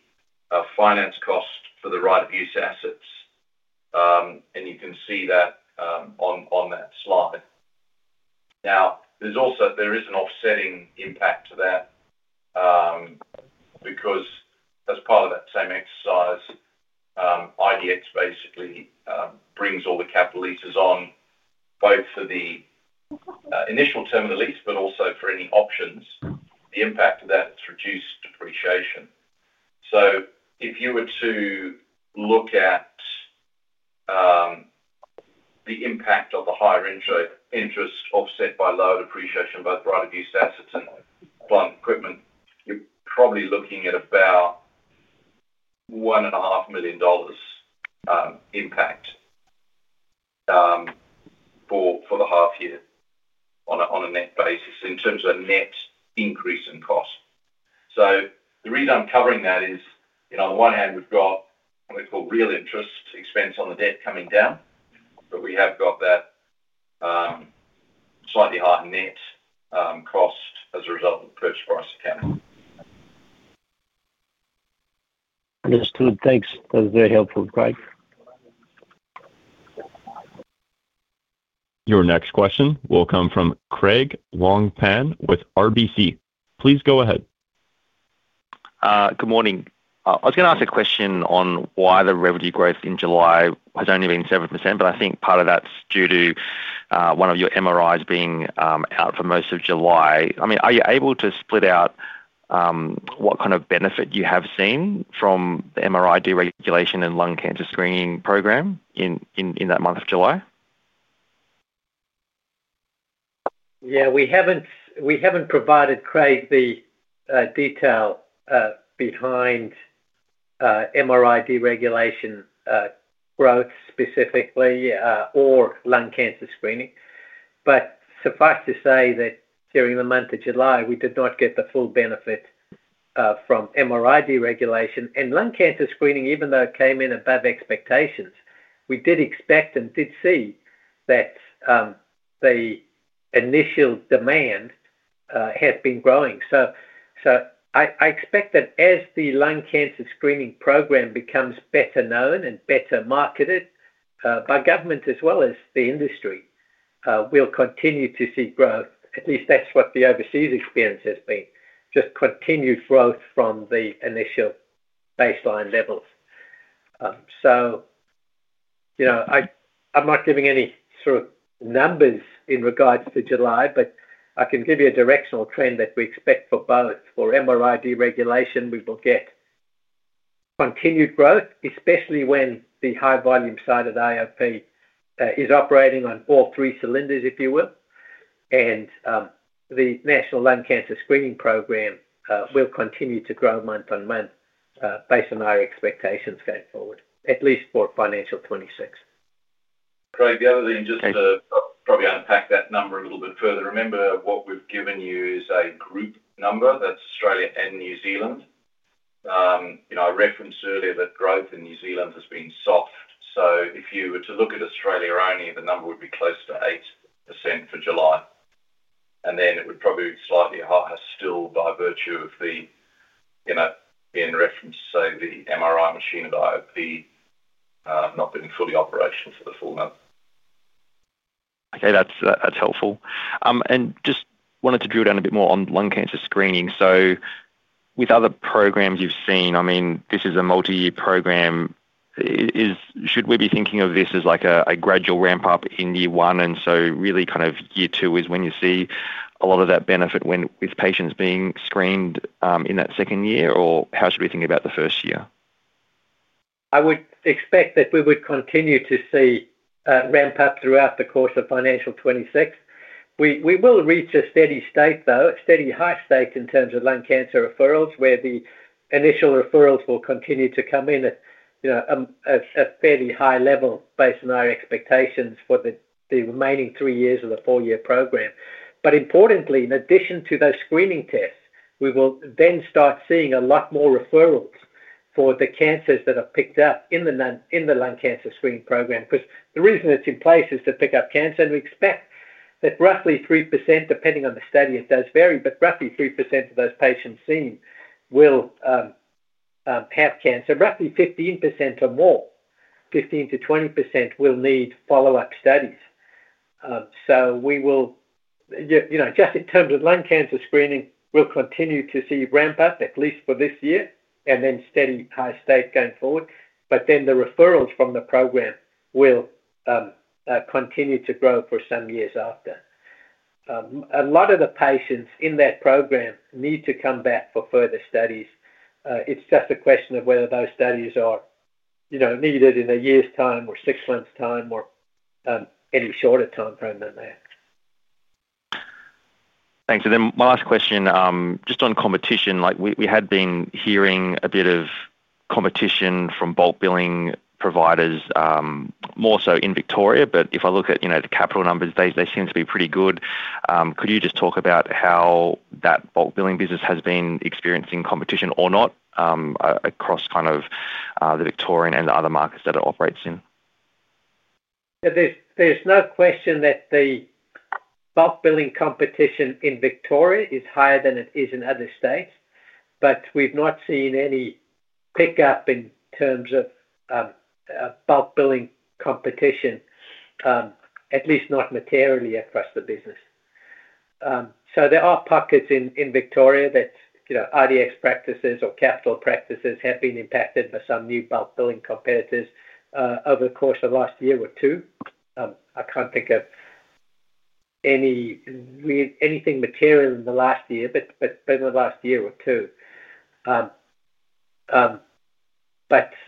finance cost for the right-of-use assets. You can see that on that slide. There is an offsetting impact to that because as part of that same exercise, Integral Diagnostics Ltd basically brings all the capital leases on both for the initial term of the lease, but also for any options. The impact of that is reduced depreciation. If you were to look at the impact of the higher interest offset by low depreciation of both right-of-use assets and plant equipment, you're probably looking at about $1.5 million impact for the half year on a net basis in terms of a net increase in cost. The reason I'm covering that is, on the one hand, we've got what we call real interest expense on the debt coming down, but we have got that slightly higher net cost as a result of the purchase price. Understood. Thanks. That was very helpful, Craig. Your next question will come from Craig Wong-Pan with RBC. Please go ahead. Good morning. I was going to ask a question on why the revenue growth in July has only been 7%, but I think part of that's due to one of your MRIs being out for most of July. I mean, are you able to split out what kind of benefit you have seen from the MRI deregulation and lung cancer screening program in that month of July? Yeah, we haven't provided Craig the detail behind MRI deregulation growth specifically or lung cancer screening. Suffice to say that during the month of July, we did not get the full benefit from MRI deregulation and lung cancer screening, even though it came in above expectations. We did expect and did see that the initial demand had been growing. I expect that as the lung cancer screening program becomes better known and better marketed by government as well as the industry, we'll continue to see growth. At least that's what the overseas experience has been, just continued growth from the initial baseline levels. I'm not giving any sort of numbers in regards to July, but I can give you a directional trend that we expect for both. For MRI deregulation, we will get continued growth, especially when the high-volume side of the IOP is operating on all three cylinders, if you will. The National Lung Cancer Screening Program will continue to grow month on month based on our expectations going forward, at least for financial 2026. To maybe unpack that number a little bit further, remember what we've given you is a group number. That's Australia and New Zealand. I referenced earlier that growth in New Zealand has been soft. If you were to look at Australia only, the number would be close to 8% for July, and it would probably be slightly higher still by virtue of, again, the reference, say, the MRI machine at the IOP not being fully operational for the full month. Okay, that's helpful. I just wanted to drill down a bit more on lung cancer screening. With other programs you've seen, this is a multi-year program. Should we be thinking of this as like a gradual ramp-up in year one? Really, kind of year two is when you see a lot of that benefit with patients being screened in that second year, or how should we think about the first year? I would expect that we would continue to see a ramp-up throughout the course of financial 2026. We will reach a steady state, though, a steady high state in terms of lung cancer referrals, where the initial referrals will continue to come in at, you know, a fairly high level based on our expectations for the remaining three years of the four-year program. Importantly, in addition to those screening tests, we will then start seeing a lot more referrals for the cancers that are picked up in the lung cancer screening program because the reason it's in place is to pick up cancer. We expect that roughly 3%, depending on the study, it does vary, but roughly 3% of those patients seen will have cancer. Roughly 15% or more, 15%-20%, will need follow-up studies. We will, you know, just in terms of lung cancer screening, continue to see ramp-up at least for this year and then steady high state going forward. The referrals from the program will continue to grow for some years after. A lot of the patients in that program need to come back for further studies. It's just a question of whether those studies are, you know, needed in a year's time or six months' time or any shorter timeframe than that. Thanks. My last question, just on competition, like we had been hearing a bit of competition from bulk billing providers, more so in Victoria. If I look at, you know, the Capital Health numbers, they seem to be pretty good. Could you just talk about how that bulk billing business has been experiencing competition or not across the Victorian and the other markets that it operates in? Yeah, there's no question that the bulk billing competition in Victoria is higher than it is in other states. We've not seen any pickup in terms of bulk billing competition, at least not materially across the business. There are pockets in Victoria that, you know, RDX practices or Capital Health practices have been impacted by some new bulk billing competitors over the course of the last year or two. I can't think of anything material in the last year, but it's been the last year or two.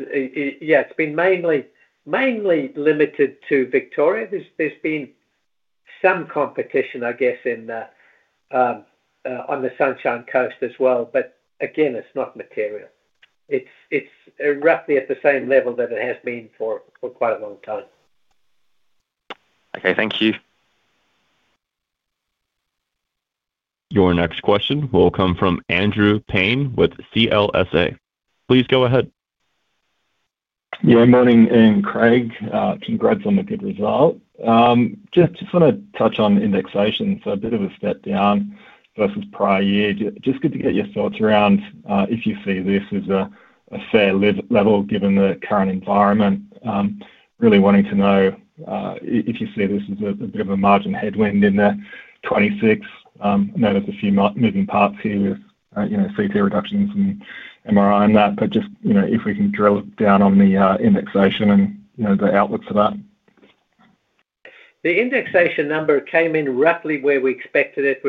It's been mainly limited to Victoria. There's been some competition, I guess, on the Sunshine Coast as well. Again, it's not material. It's roughly at the same level that it has been for quite a long time. Okay, thank you. Your next question will come from Andrew Paine with CLSA. Please go ahead. Yeah, morning, Ian, Craig. Congrats on the good result. Just want to touch on indexation for a bit of a step down, both with prior years. Just good to get your thoughts around if you see this as a fair level given the current environment. Really wanting to know if you see this as a bit of a margin headwind in the 2026. I know there's a few moving parts here, you know, CP reduction in MRI and that. Just, you know, if we can drill down on the indexation and, you know, the outlook for that. The indexation number came in roughly where we expected it.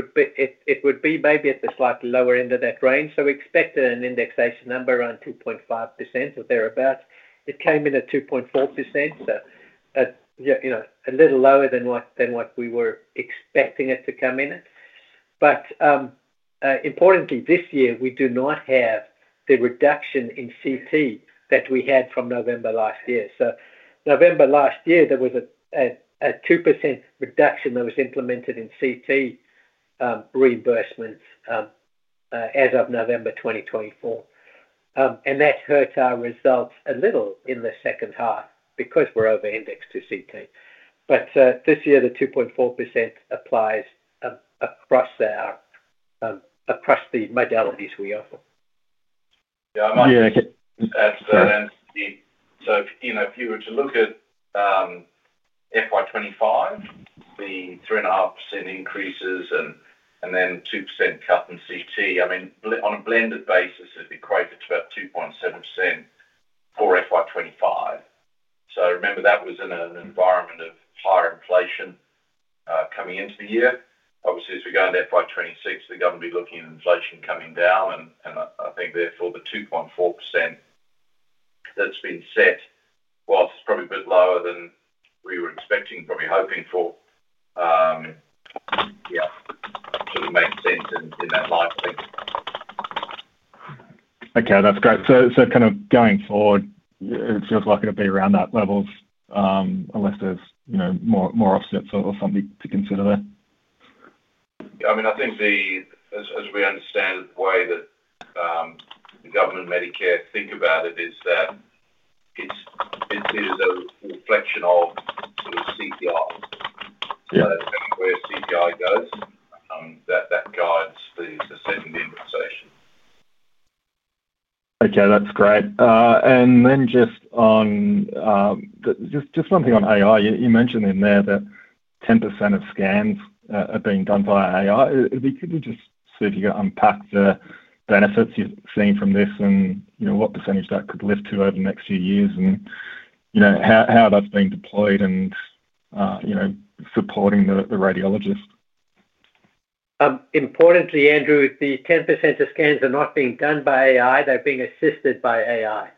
It would be maybe at the slightly lower end of that range. We expected an indexation number around 2.5% or thereabouts. It came in at 2.4%, a little lower than what we were expecting it to come in at. Importantly, this year, we do not have the reduction in CT that we had from November last year. In November last year, there was a 2% reduction that was implemented in CT reimbursement as of November 2024. That hurts our results a little in the second half because we're over-indexed to CT. This year, the 2.4% applies across the modalities we offer. I might just add to that. If you were to look at FY 2025, the 3.5% increases and then 2% cut in CT, on a blended basis, it equates to about 2.7% for FY 2025. Remember, that was in an environment of higher inflation coming into the year. Obviously, as we go into FY 2026, the government will be looking at inflation coming down. I think, therefore, the 2.4% that's been set was probably a bit lower than we were expecting, probably hoping for. I can imagine. Okay, that's great. Going forward, it feels like it'll be around that level unless there's more offsets or something to consider there. I think, as we understand it, the way that the government and Medicare think about it is that it's a reflection of sort of CT, where CT goes, that guides the user segment. Okay, that's great. Just on one thing on AI, you mentioned in there that 10% of scans are being done via AI. Could you see if you could unpack the benefits you're seeing from this and what percentage that could lift to over the next few years and how that's being deployed and supporting the radiologist? Importantly, Andrew, the 10% of scans are not being done by AI. They're being assisted by AI.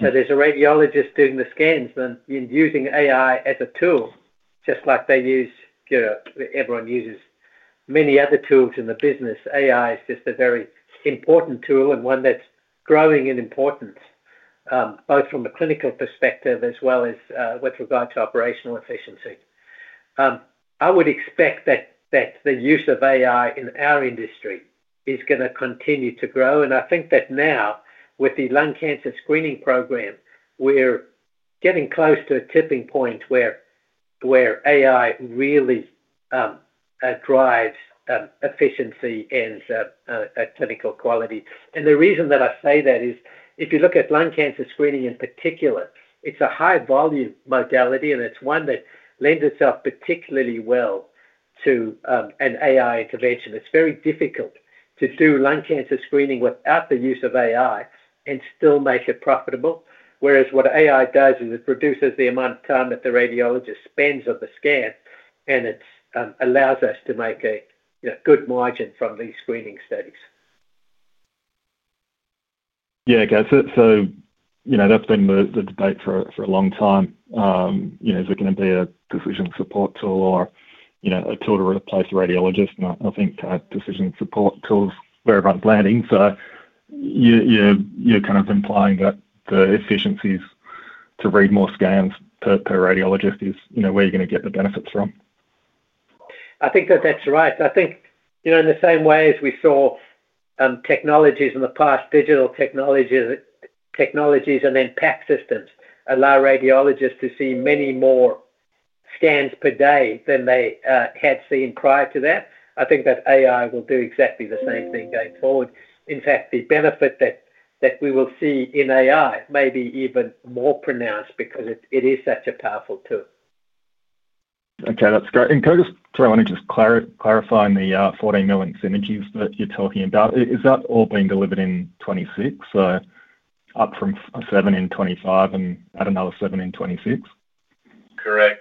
There's a radiologist doing the scans and using AI as a tool, just like they use, you know, everyone uses many other tools in the business. AI is just a very important tool and one that's growing in importance, both from a clinical perspective as well as with regard to operational efficiency. I would expect that the use of AI in our industry is going to continue to grow. I think that now, with the National Lung Cancer Screening Program, we're getting close to a tipping point where AI really drives efficiency and clinical quality. The reason that I say that is, if you look at lung cancer screening in particular, it's a high-volume modality, and it's one that lends itself particularly well to an AI intervention. It's very difficult to do lung cancer screening without the use of AI and still make it profitable, whereas what AI does is it reduces the amount of time that the radiologist spends on the scan, and it allows us to make a good margin from these screening studies. Yeah, okay. That's been the debate for a long time. You know, is it going to be a decision support tool or a tool to replace radiologists? I think decision support tools are very much blurring. You're kind of implying that the efficiencies to read more scans per radiologist is where you're going to get the benefits from. I think that's right. I think, in the same way as we saw technologies in the past, digital technologies and then PAC systems allow radiologists to see many more scans per day than they had seen prior to that, I think that AI will do exactly the same thing going forward. In fact, the benefit that we will see in AI may be even more pronounced because it is such a powerful tool. Okay, that's great. Could I just throw in, just clarifying the $14 million synergies that you're talking about, is that all being delivered in 2026? Up from $7 million in 2025 and add another $7 million in 2026. Okay,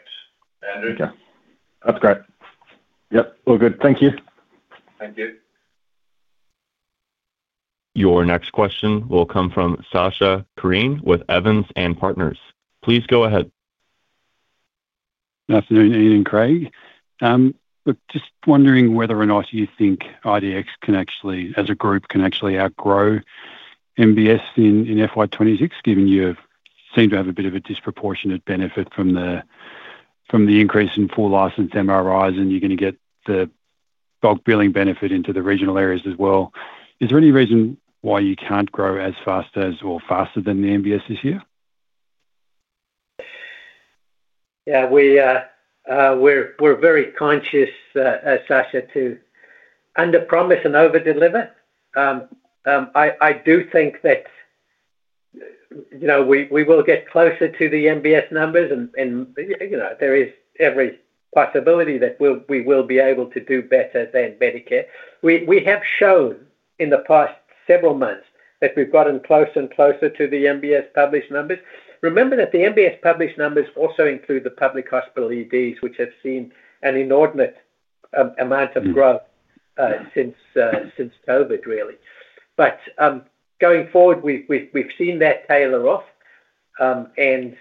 that's great. Yep, all good. Thank you. Your next question will come from Sacha Krien with Evans and Partners. Please go ahead. Good afternoon, Ian and Craig. I'm just wondering whether or not you think IDX can actually, as a group, can actually outgrow MBS in FY 2026, given you seem to have a bit of a disproportionate benefit from the increase in full licensed MRIs, and you're going to get the bulk billing method the regional areas as well. Is there any reason why you can't grow as fast as or faster than the NBS this year? Yeah, we're very conscious, as Sacha, to under-promise and over-deliver. I do think that, you know, we will get closer to the NBS numbers and, you know, there is every possibility that we will be able to do better than Medicare. We have shown in the past several months that we've gotten closer and closer to the NBS published numbers. Remember that the NBS published numbers also include the public hospital EDs, which have seen an inordinate amount of growth since COVID, really. Going forward, we've seen that tailor off, and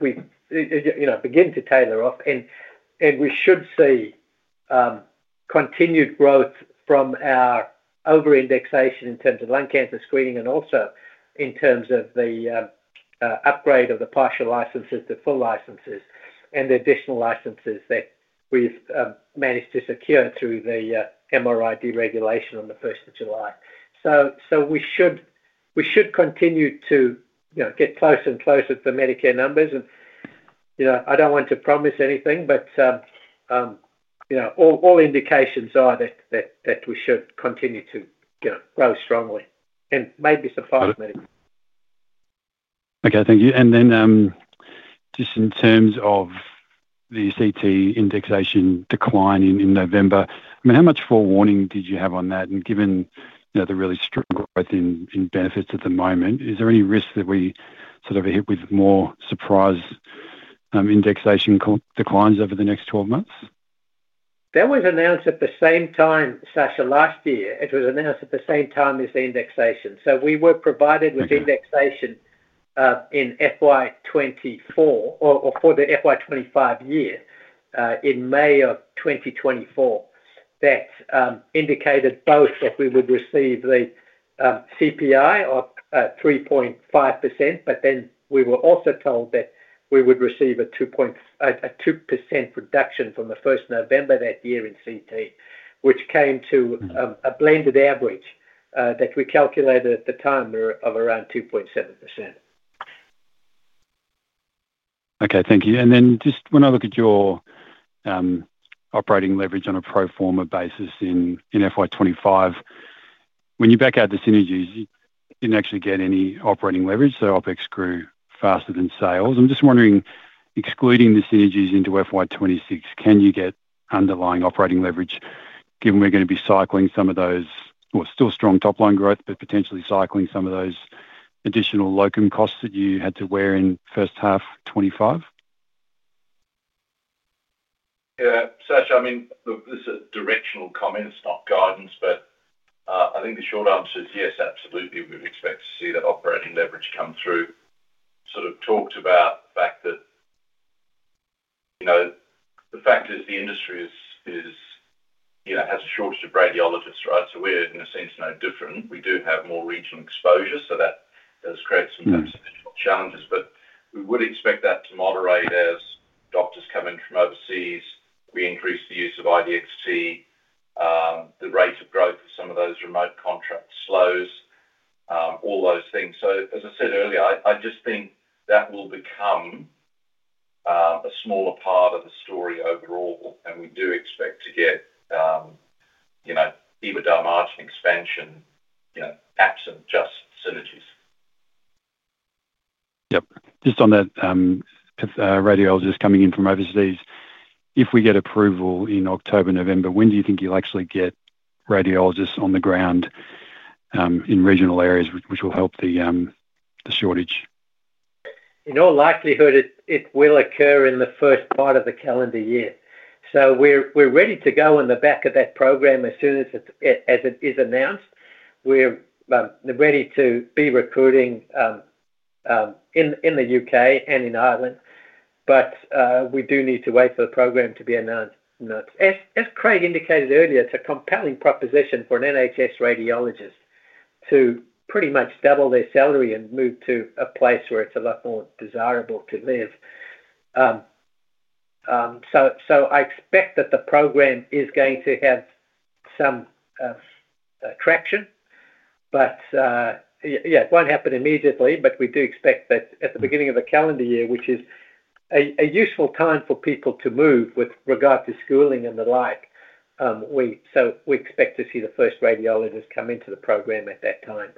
we've begun to tailor off and we should see continued growth from our over-indexation in terms of lung cancer screening and also in terms of the upgrade of the partial licenses, the full licenses, and the additional licenses that we've managed to secure through the MRI deregulation on the 1st of July. We should continue to, you know, get closer and closer to the Medicare numbers. You know, I don't want to promise anything, but, you know, all indications are that we should continue to grow strongly and maybe surprise Medicare. Thank you. In terms of the CT indexation decline in November, how much forewarning did you have on that? Given the really strict growth in benefits at the moment, is there any risk that we are hit with more surprise indexation declines over the next 12 months? That was announced at the same time, Sacha, last year. It was announced at the same time as the indexation. We were provided with indexation in FY 2024 or for the FY 2025 year, in May of 2024. That indicated both that we would receive the CPI of 3.5%, but then we were also told that we would receive a 2.2% reduction from the 1st of November that year in CT, which came to a blended average that we calculated at the time of around 2.7%. Thank you. When I look at your operating leverage on a pro forma basis in FY 2025, when you back out the synergies, you didn't actually get any operating leverage, so OpEx grew faster than sales. I'm just wondering, excluding the synergies into FY 2026, can you get underlying operating leverage given we're going to be cycling some of those, or still strong top line growth, but potentially cycling some of those additional locum costs that you had to wear in first half 2025? Yeah, Sacha, I mean, look, this is a directional comment. It's not guidance, but I think the short answer is yes, absolutely. We would expect to see the operating leverage come through. I sort of talked about the fact that, you know, the fact that the industry is, you know, has a shortage of radiologists, right? We are in a sense no different. We do have more regional exposures to that. This creates some challenges, but we would expect that to moderate as doctors come in from overseas. We increase the use of RDXT, the rates of growth for some of those remote contracts slow, all those things. As I said earlier, I just think that will become a smaller part of the story overall. Yep. Just on that, radiologists coming in from overseas, if we get approval in October or November, when do you think you'll actually get radiologists on the ground in regional areas, which will help the shortage? In all likelihood, it will occur in the first part of the calendar year. We're ready to go on the back of that program as soon as it is announced. We're ready to be recruiting in the UK and in Ireland. We do need to wait for the program to be announced. As Craig indicated earlier, it's a compelling proposition for an NHS radiologist to pretty much double their salary and move to a place where it's a lot more desirable to live. I expect that the program is going to have some traction. It won't happen immediately, but we do expect that at the beginning of the calendar year, which is a useful time for people to move with regard to schooling and the like. We expect to see the first radiologists come into the program at that time.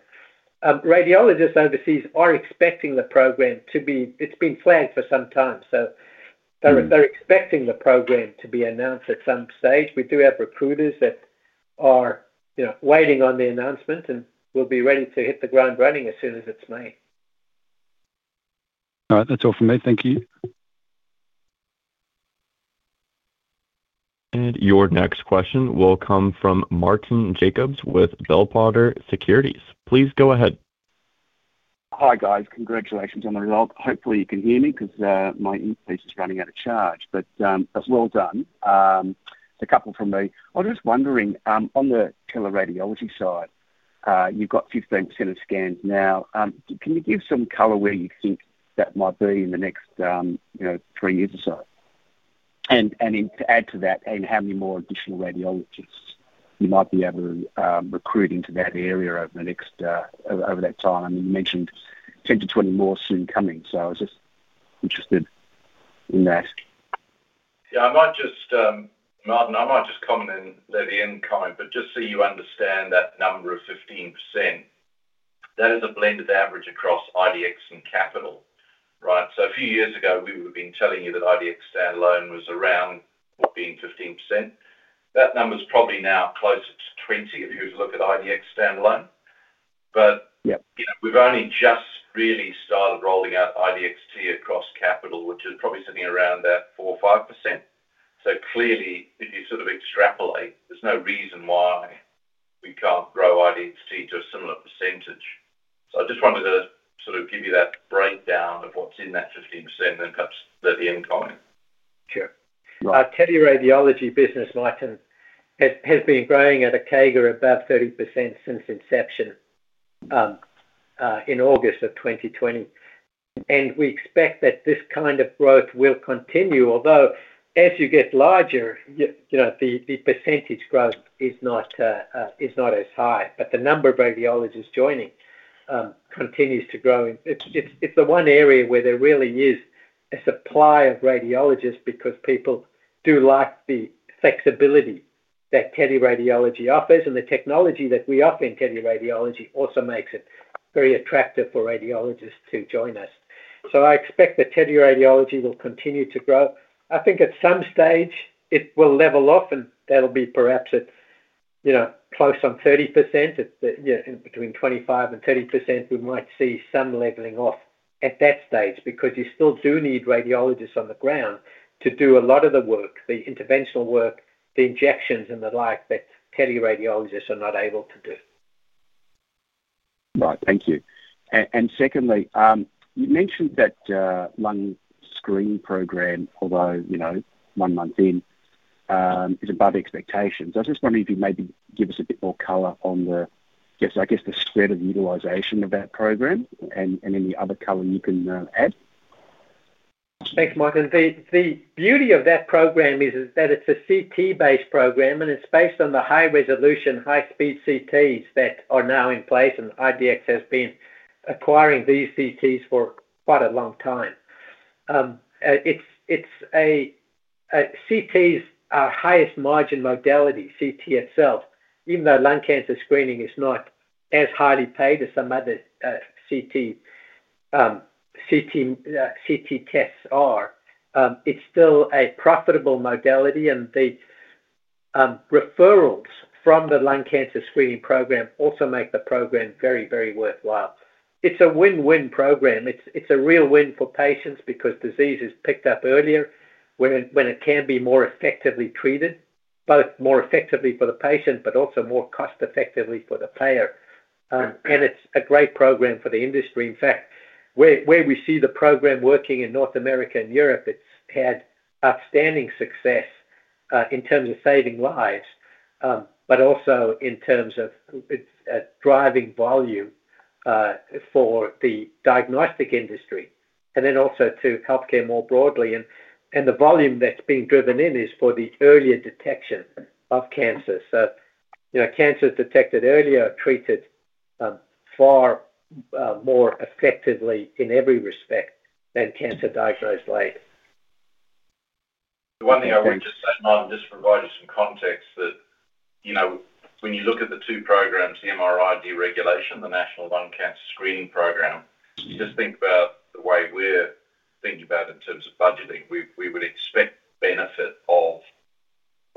Radiologists overseas are expecting the program to be, it's been flagged for some time. They're expecting the program to be announced at some stage. We do have recruiters that are waiting on the announcement and will be ready to hit the ground running as soon as it's made. All right, that's all from me. Thank you. Your next question will come from Martyn Jacobs with Bell Potter Securities. Please go ahead. Hi guys, congratulations on the result. Hopefully you can hear me because my earpiece is running out of charge, but that's well done. It's a couple from me. I was just wondering, on the teleradiology side, you've got 15% of scans now. Can you give some color where you think that might be in the next, you know, three years or so? To add to that, how many more additional radiologists you might be able to recruit into that area over the next, over that time? I mean, you mentioned 10 to 20 more soon coming, so I was just interested in that. I might just comment and let Ian comment, but just so you understand that number of 15%, that is a blended average across IDX and Capital, right? A few years ago, we would have been telling you that IDX standalone was around being 15%. That number is probably now closer to 20% if you look at IDX standalone. We've only just really started rolling out IDXT across Capital, which is probably sitting around that 4%-5%. Clearly, if you sort of extrapolate, there's no reason why you can't grow IDXT to a similar percentage. I just wanted to sort of give you that breakdown of what's in that 15% and perhaps let Ian comment. Okay. Teleradiology business, Martyn, has been growing at a CAGR of about 30% since inception in August of 2020. We expect that this kind of growth will continue, although as you get larger, the percentage growth is not as high. The number of radiologists joining continues to grow. It's the one area where there really is a supply of radiologists because people do like the flexibility that teleradiology offers. The technology that we offer in teleradiology also makes it very attractive for radiologists to join us. I expect that teleradiology will continue to grow. I think at some stage, it will level off and that'll be perhaps at, you know, close on 30%. You know, between 25% and 30%, we might see some leveling off at that stage because you still do need radiologists on the ground to do a lot of the work, the interventional work, the injections, and the like that teleradiologists are not able to do. Thank you. Secondly, you mentioned that the National Lung Cancer Screening Program, although one month in, is above expectations. I was just wondering if you could give us a bit more color on the spread of the utilization of that program and any other color you can add. Thanks, Martin. The beauty of that program is that it's a CT-based program and it's based on the high-resolution, high-speed CTs that are now in place. Integral Diagnostics Ltd (IDX) has been acquiring these CTs for quite a long time. CTs are the highest margin modality, CT itself. Even though lung cancer screening is not as highly paid as some other CT tests are, it's still a profitable modality. The referrals from the National Lung Cancer Screening Program also make the program very, very worthwhile. It's a win-win program. It's a real win for patients because disease is picked up earlier when it can be more effectively treated, both more effectively for the patient, but also more cost-effectively for the payer. It's a great program for the industry. In fact, where we see the program working in North America and Europe, it's had outstanding success in terms of saving lives, but also in terms of its driving volume for the diagnostic industry and then also to healthcare more broadly. The volume that's being driven in is for the earlier detection of cancer. Cancers detected earlier are treated far more effectively in every respect than cancer diagnosed late. The one thing I want to just add, just for some context, is that when you look at the two programs, the MRI deregulation and the National Lung Cancer Screening Program, if you just think about the way we're thinking about it in terms of budgeting, we would expect benefit of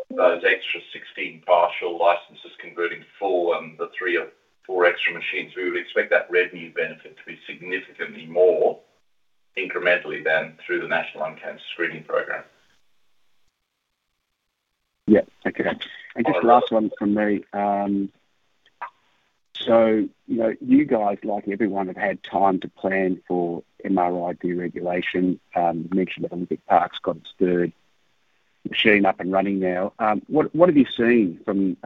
those extra 16 partial licenses converted for the three or four extra machines. We would expect that revenue benefit to be significantly more incrementally than through the National Lung Cancer Screening Program. Okay. Just the last one from me. You guys, like everyone, have had time to plan for MRI deregulation, make sure that a big part's got its third machine up and running now. What have you seen from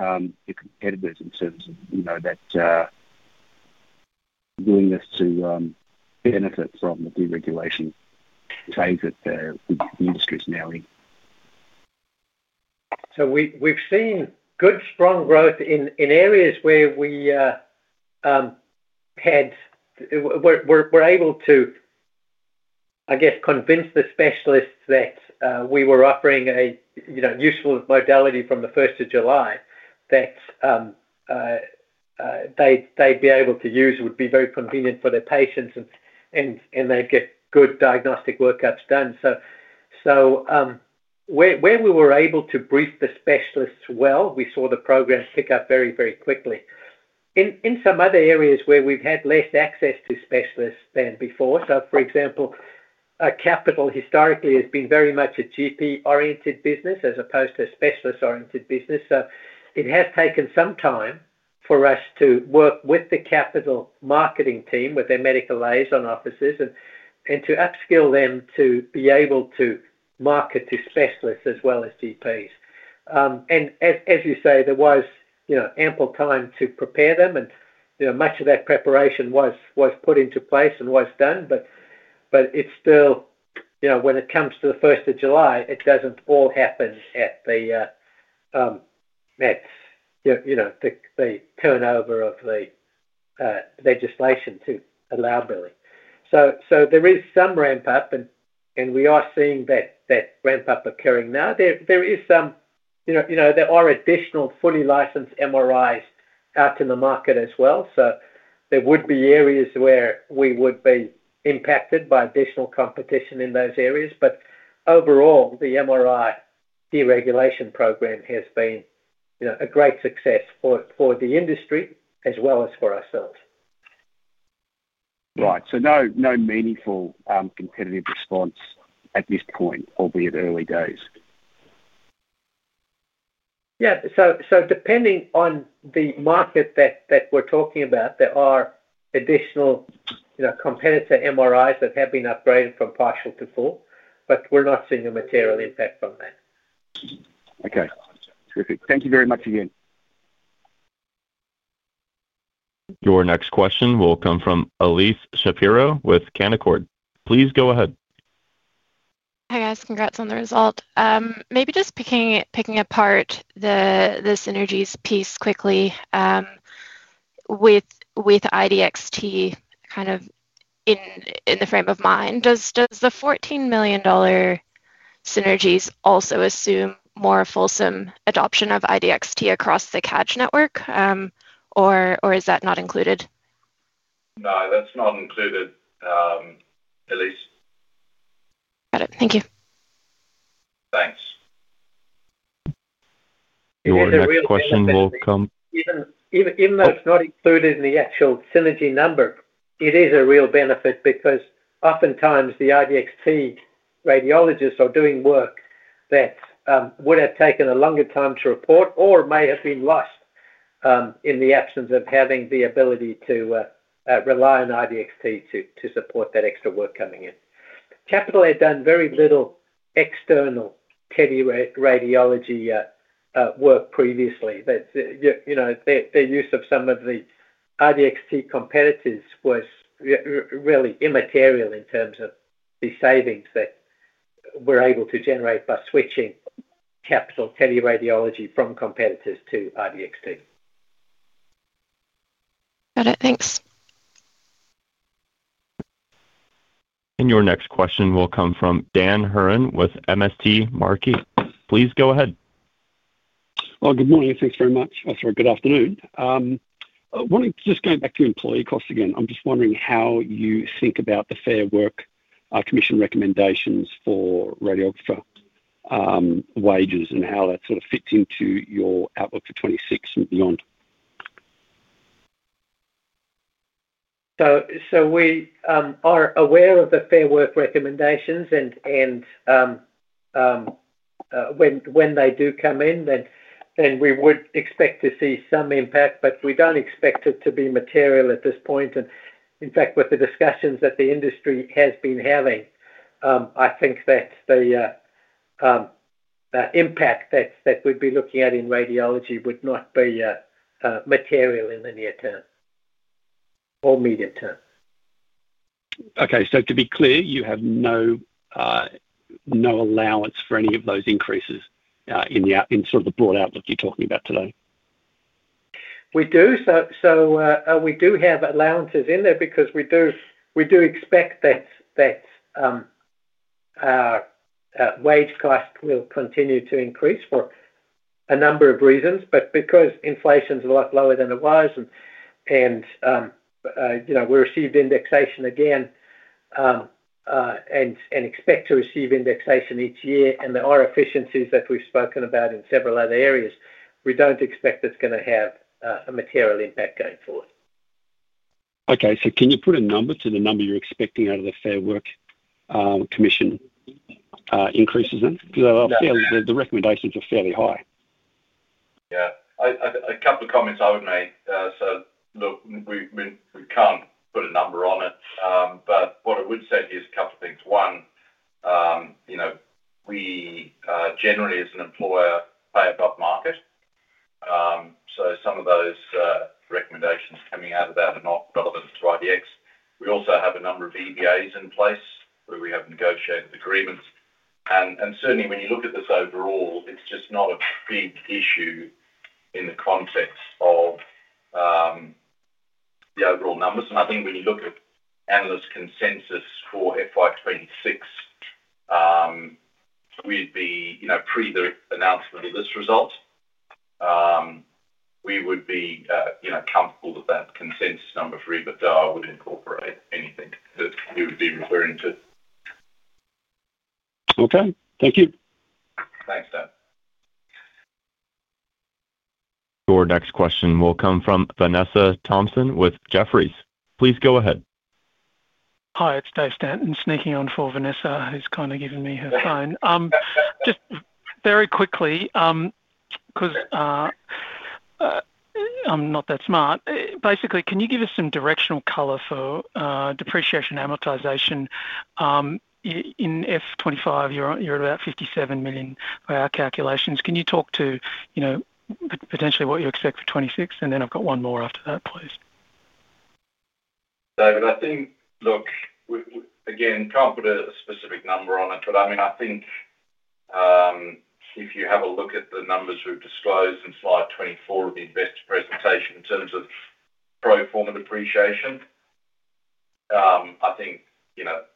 your competitors in terms of doing this to benefit from the deregulation phase that the industry is now in? We have seen good, strong growth in areas where we were able to, I guess, convince the specialists that we were offering a useful modality from July 1 that they'd be able to use, would be very convenient for their patients, and they'd get good diagnostic workups done. Where we were able to brief the specialists well, we saw the program pick up very, very quickly. In some other areas, we have had less access to specialists than before. For example, Capital Health historically has been very much a GP-oriented business as opposed to a specialist-oriented business. It has taken some time for us to work with the Capital Health marketing team, with their medical liaison offices, and to upskill them to be able to market to specialists as well as GPs. As you say, there was ample time to prepare them, and much of that preparation was put into place and was done. However, when it comes to July 1, it doesn't all happen at the turnover of the legislation to allow billing. There is some ramp-up, and we are seeing that ramp-up occurring now. There are additional fully licensed MRIs out in the market as well. There would be areas where we would be impacted by additional competition in those areas. Overall, the MRI deregulation program has been a great success for the industry as well as for ourselves. Right. No meaningful competitive response at this point, albeit early days. Depending on the market that we're talking about, there are additional competitor MRIs that have been upgraded from partial to full, but we're not seeing a material impact from that. Okay. Perfect. Thank you very much again. Your next question will come from Elyse Shapiro with Canaccord. Please go ahead. Hey, guys, congrats on the result. Maybe just picking apart the synergies piece quickly with IDX kind of in the frame of mind. Does the $14 million synergies also assume more fulsome adoption of IDX across the Capital Health network, or is that not included? Got it. Thank you. Your next question will come. Even though it's not included in the actual synergy number, it is a real benefit because oftentimes the IDX radiologists are doing work that would have taken a longer time to report or may have been lost in the absence of having the ability to rely on IDX to support that extra work coming in. Capital had done very little external teleradiology work previously. Their use of some of the IDX competitors was really immaterial in terms of the savings that we're able to generate by switching Capital teleradiology from competitors to IDX. Got it. Thanks. Your next question will come from Dan Hurren with MST Marquee. Please go ahead. Good afternoon. I wanted to just go back to employee costs again. I'm just wondering how you think about the Fair Work Commission recommendations for radiographer wages and how that sort of fits into your outlook for 2026 and beyond. We are aware of the Fair Work recommendations, and when they do come in, we would expect to see some impact, but we don't expect it to be material at this point. In fact, with the discussions that the industry has been having, I think that the impact that we'd be looking at in radiology would not be material in the near term or medium term. Okay. To be clear, you have no allowance for any of those increases in the sort of the broad outlook you're talking about today? We do. We do have allowances in there because we do expect that wage costs will continue to increase for a number of reasons. Because inflation's a lot lower than it was and we received indexation again and expect to receive indexation each year, and there are efficiencies that we've spoken about in several other areas, we don't expect it's going to have a material impact going forward. Can you put a number to the number you're expecting out of the Fair Work Commission increases? The recommendations are fairly high. Yeah. A couple of comments I would make. Look, we can't put a number on it. What I would say is a couple of things. One, you know, we generally, as an employer, pay above market. Some of those recommendations coming out of that are not relevant to Integral Diagnostics Ltd. We also have a number of EBAs in place where we have negotiated agreements. Certainly, when you look at this overall, it's just not a main issue in the context of the overall numbers. I think when you look at analyst consensus for FY 2026, we'd be, you know, pre the announcement of this result, we would be comfortable with that consensus number for EBITDA and incorporate. We would be referring to. Okay, thank you. Your next question will come from Vanessa Thompson with Jefferies. Please go ahead. Hi, it's Dave Stanton sneaking on for Vanessa, who's kind of given me her phone. Just very quickly, because I'm not that smart, basically, can you give us some directional color for depreciation amortization? In FY 2025, you're at about $57 million for our calculations. Can you talk to, you know, potentially what you expect for 2026? I've got one more after that, please. David, I think we're again comfortable with a specific number on it. I mean, I think if you have a look at the numbers we've disclosed in slide 24 of the investor presentation in terms of pro forma depreciation, I think that.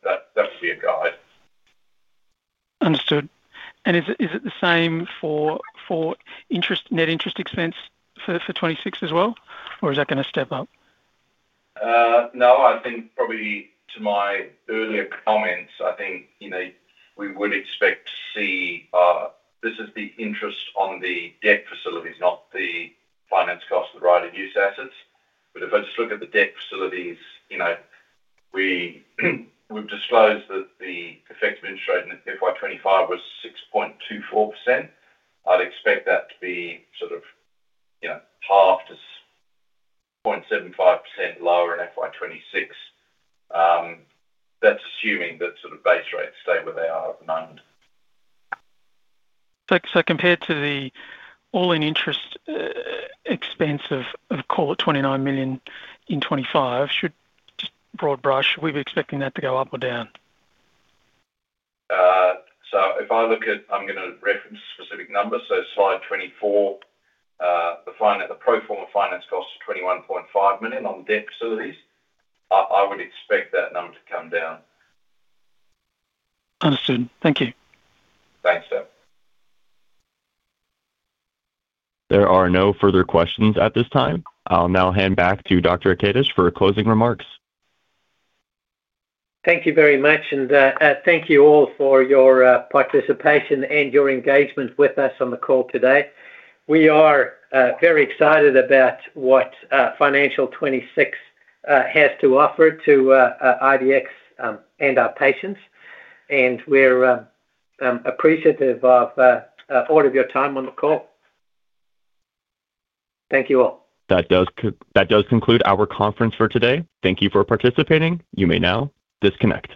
Is it the same for net interest expense for 2026 as well, or is that going to step up? I think probably to my earlier comments, we would expect to see, this is the interest on the debt facilities, not the finance cost of the right-of-use assets. If I just look at the debt facilities, 2%, 4%, I'd expect that to be sort of half to 0.75% lower in FY 2026. That's assuming that base rates stay where they are overnight. Compared to the all-in interest expense of, call it, $29 million in 2025, should broad brush, should we be expecting that to go up or down? If I look at, I'm going to reference specific numbers. Slide 24, the pro forma finance cost of $21.5 million on the debt facilities, I would expect that number to come down. Understood. Thank you. There are no further questions at this time. I'll now hand back to Dr. Ian Kadish for closing remarks. Thank you very much. Thank you all for your participation and your engagement with us on the call today. We are very excited about what Financial 2026 has to offer to Integral Diagnostics Ltd (IDX) and our patients. We're appreciative of all of your time on the call. Thank you all. That does conclude our conference for today. Thank you for participating. You may now disconnect.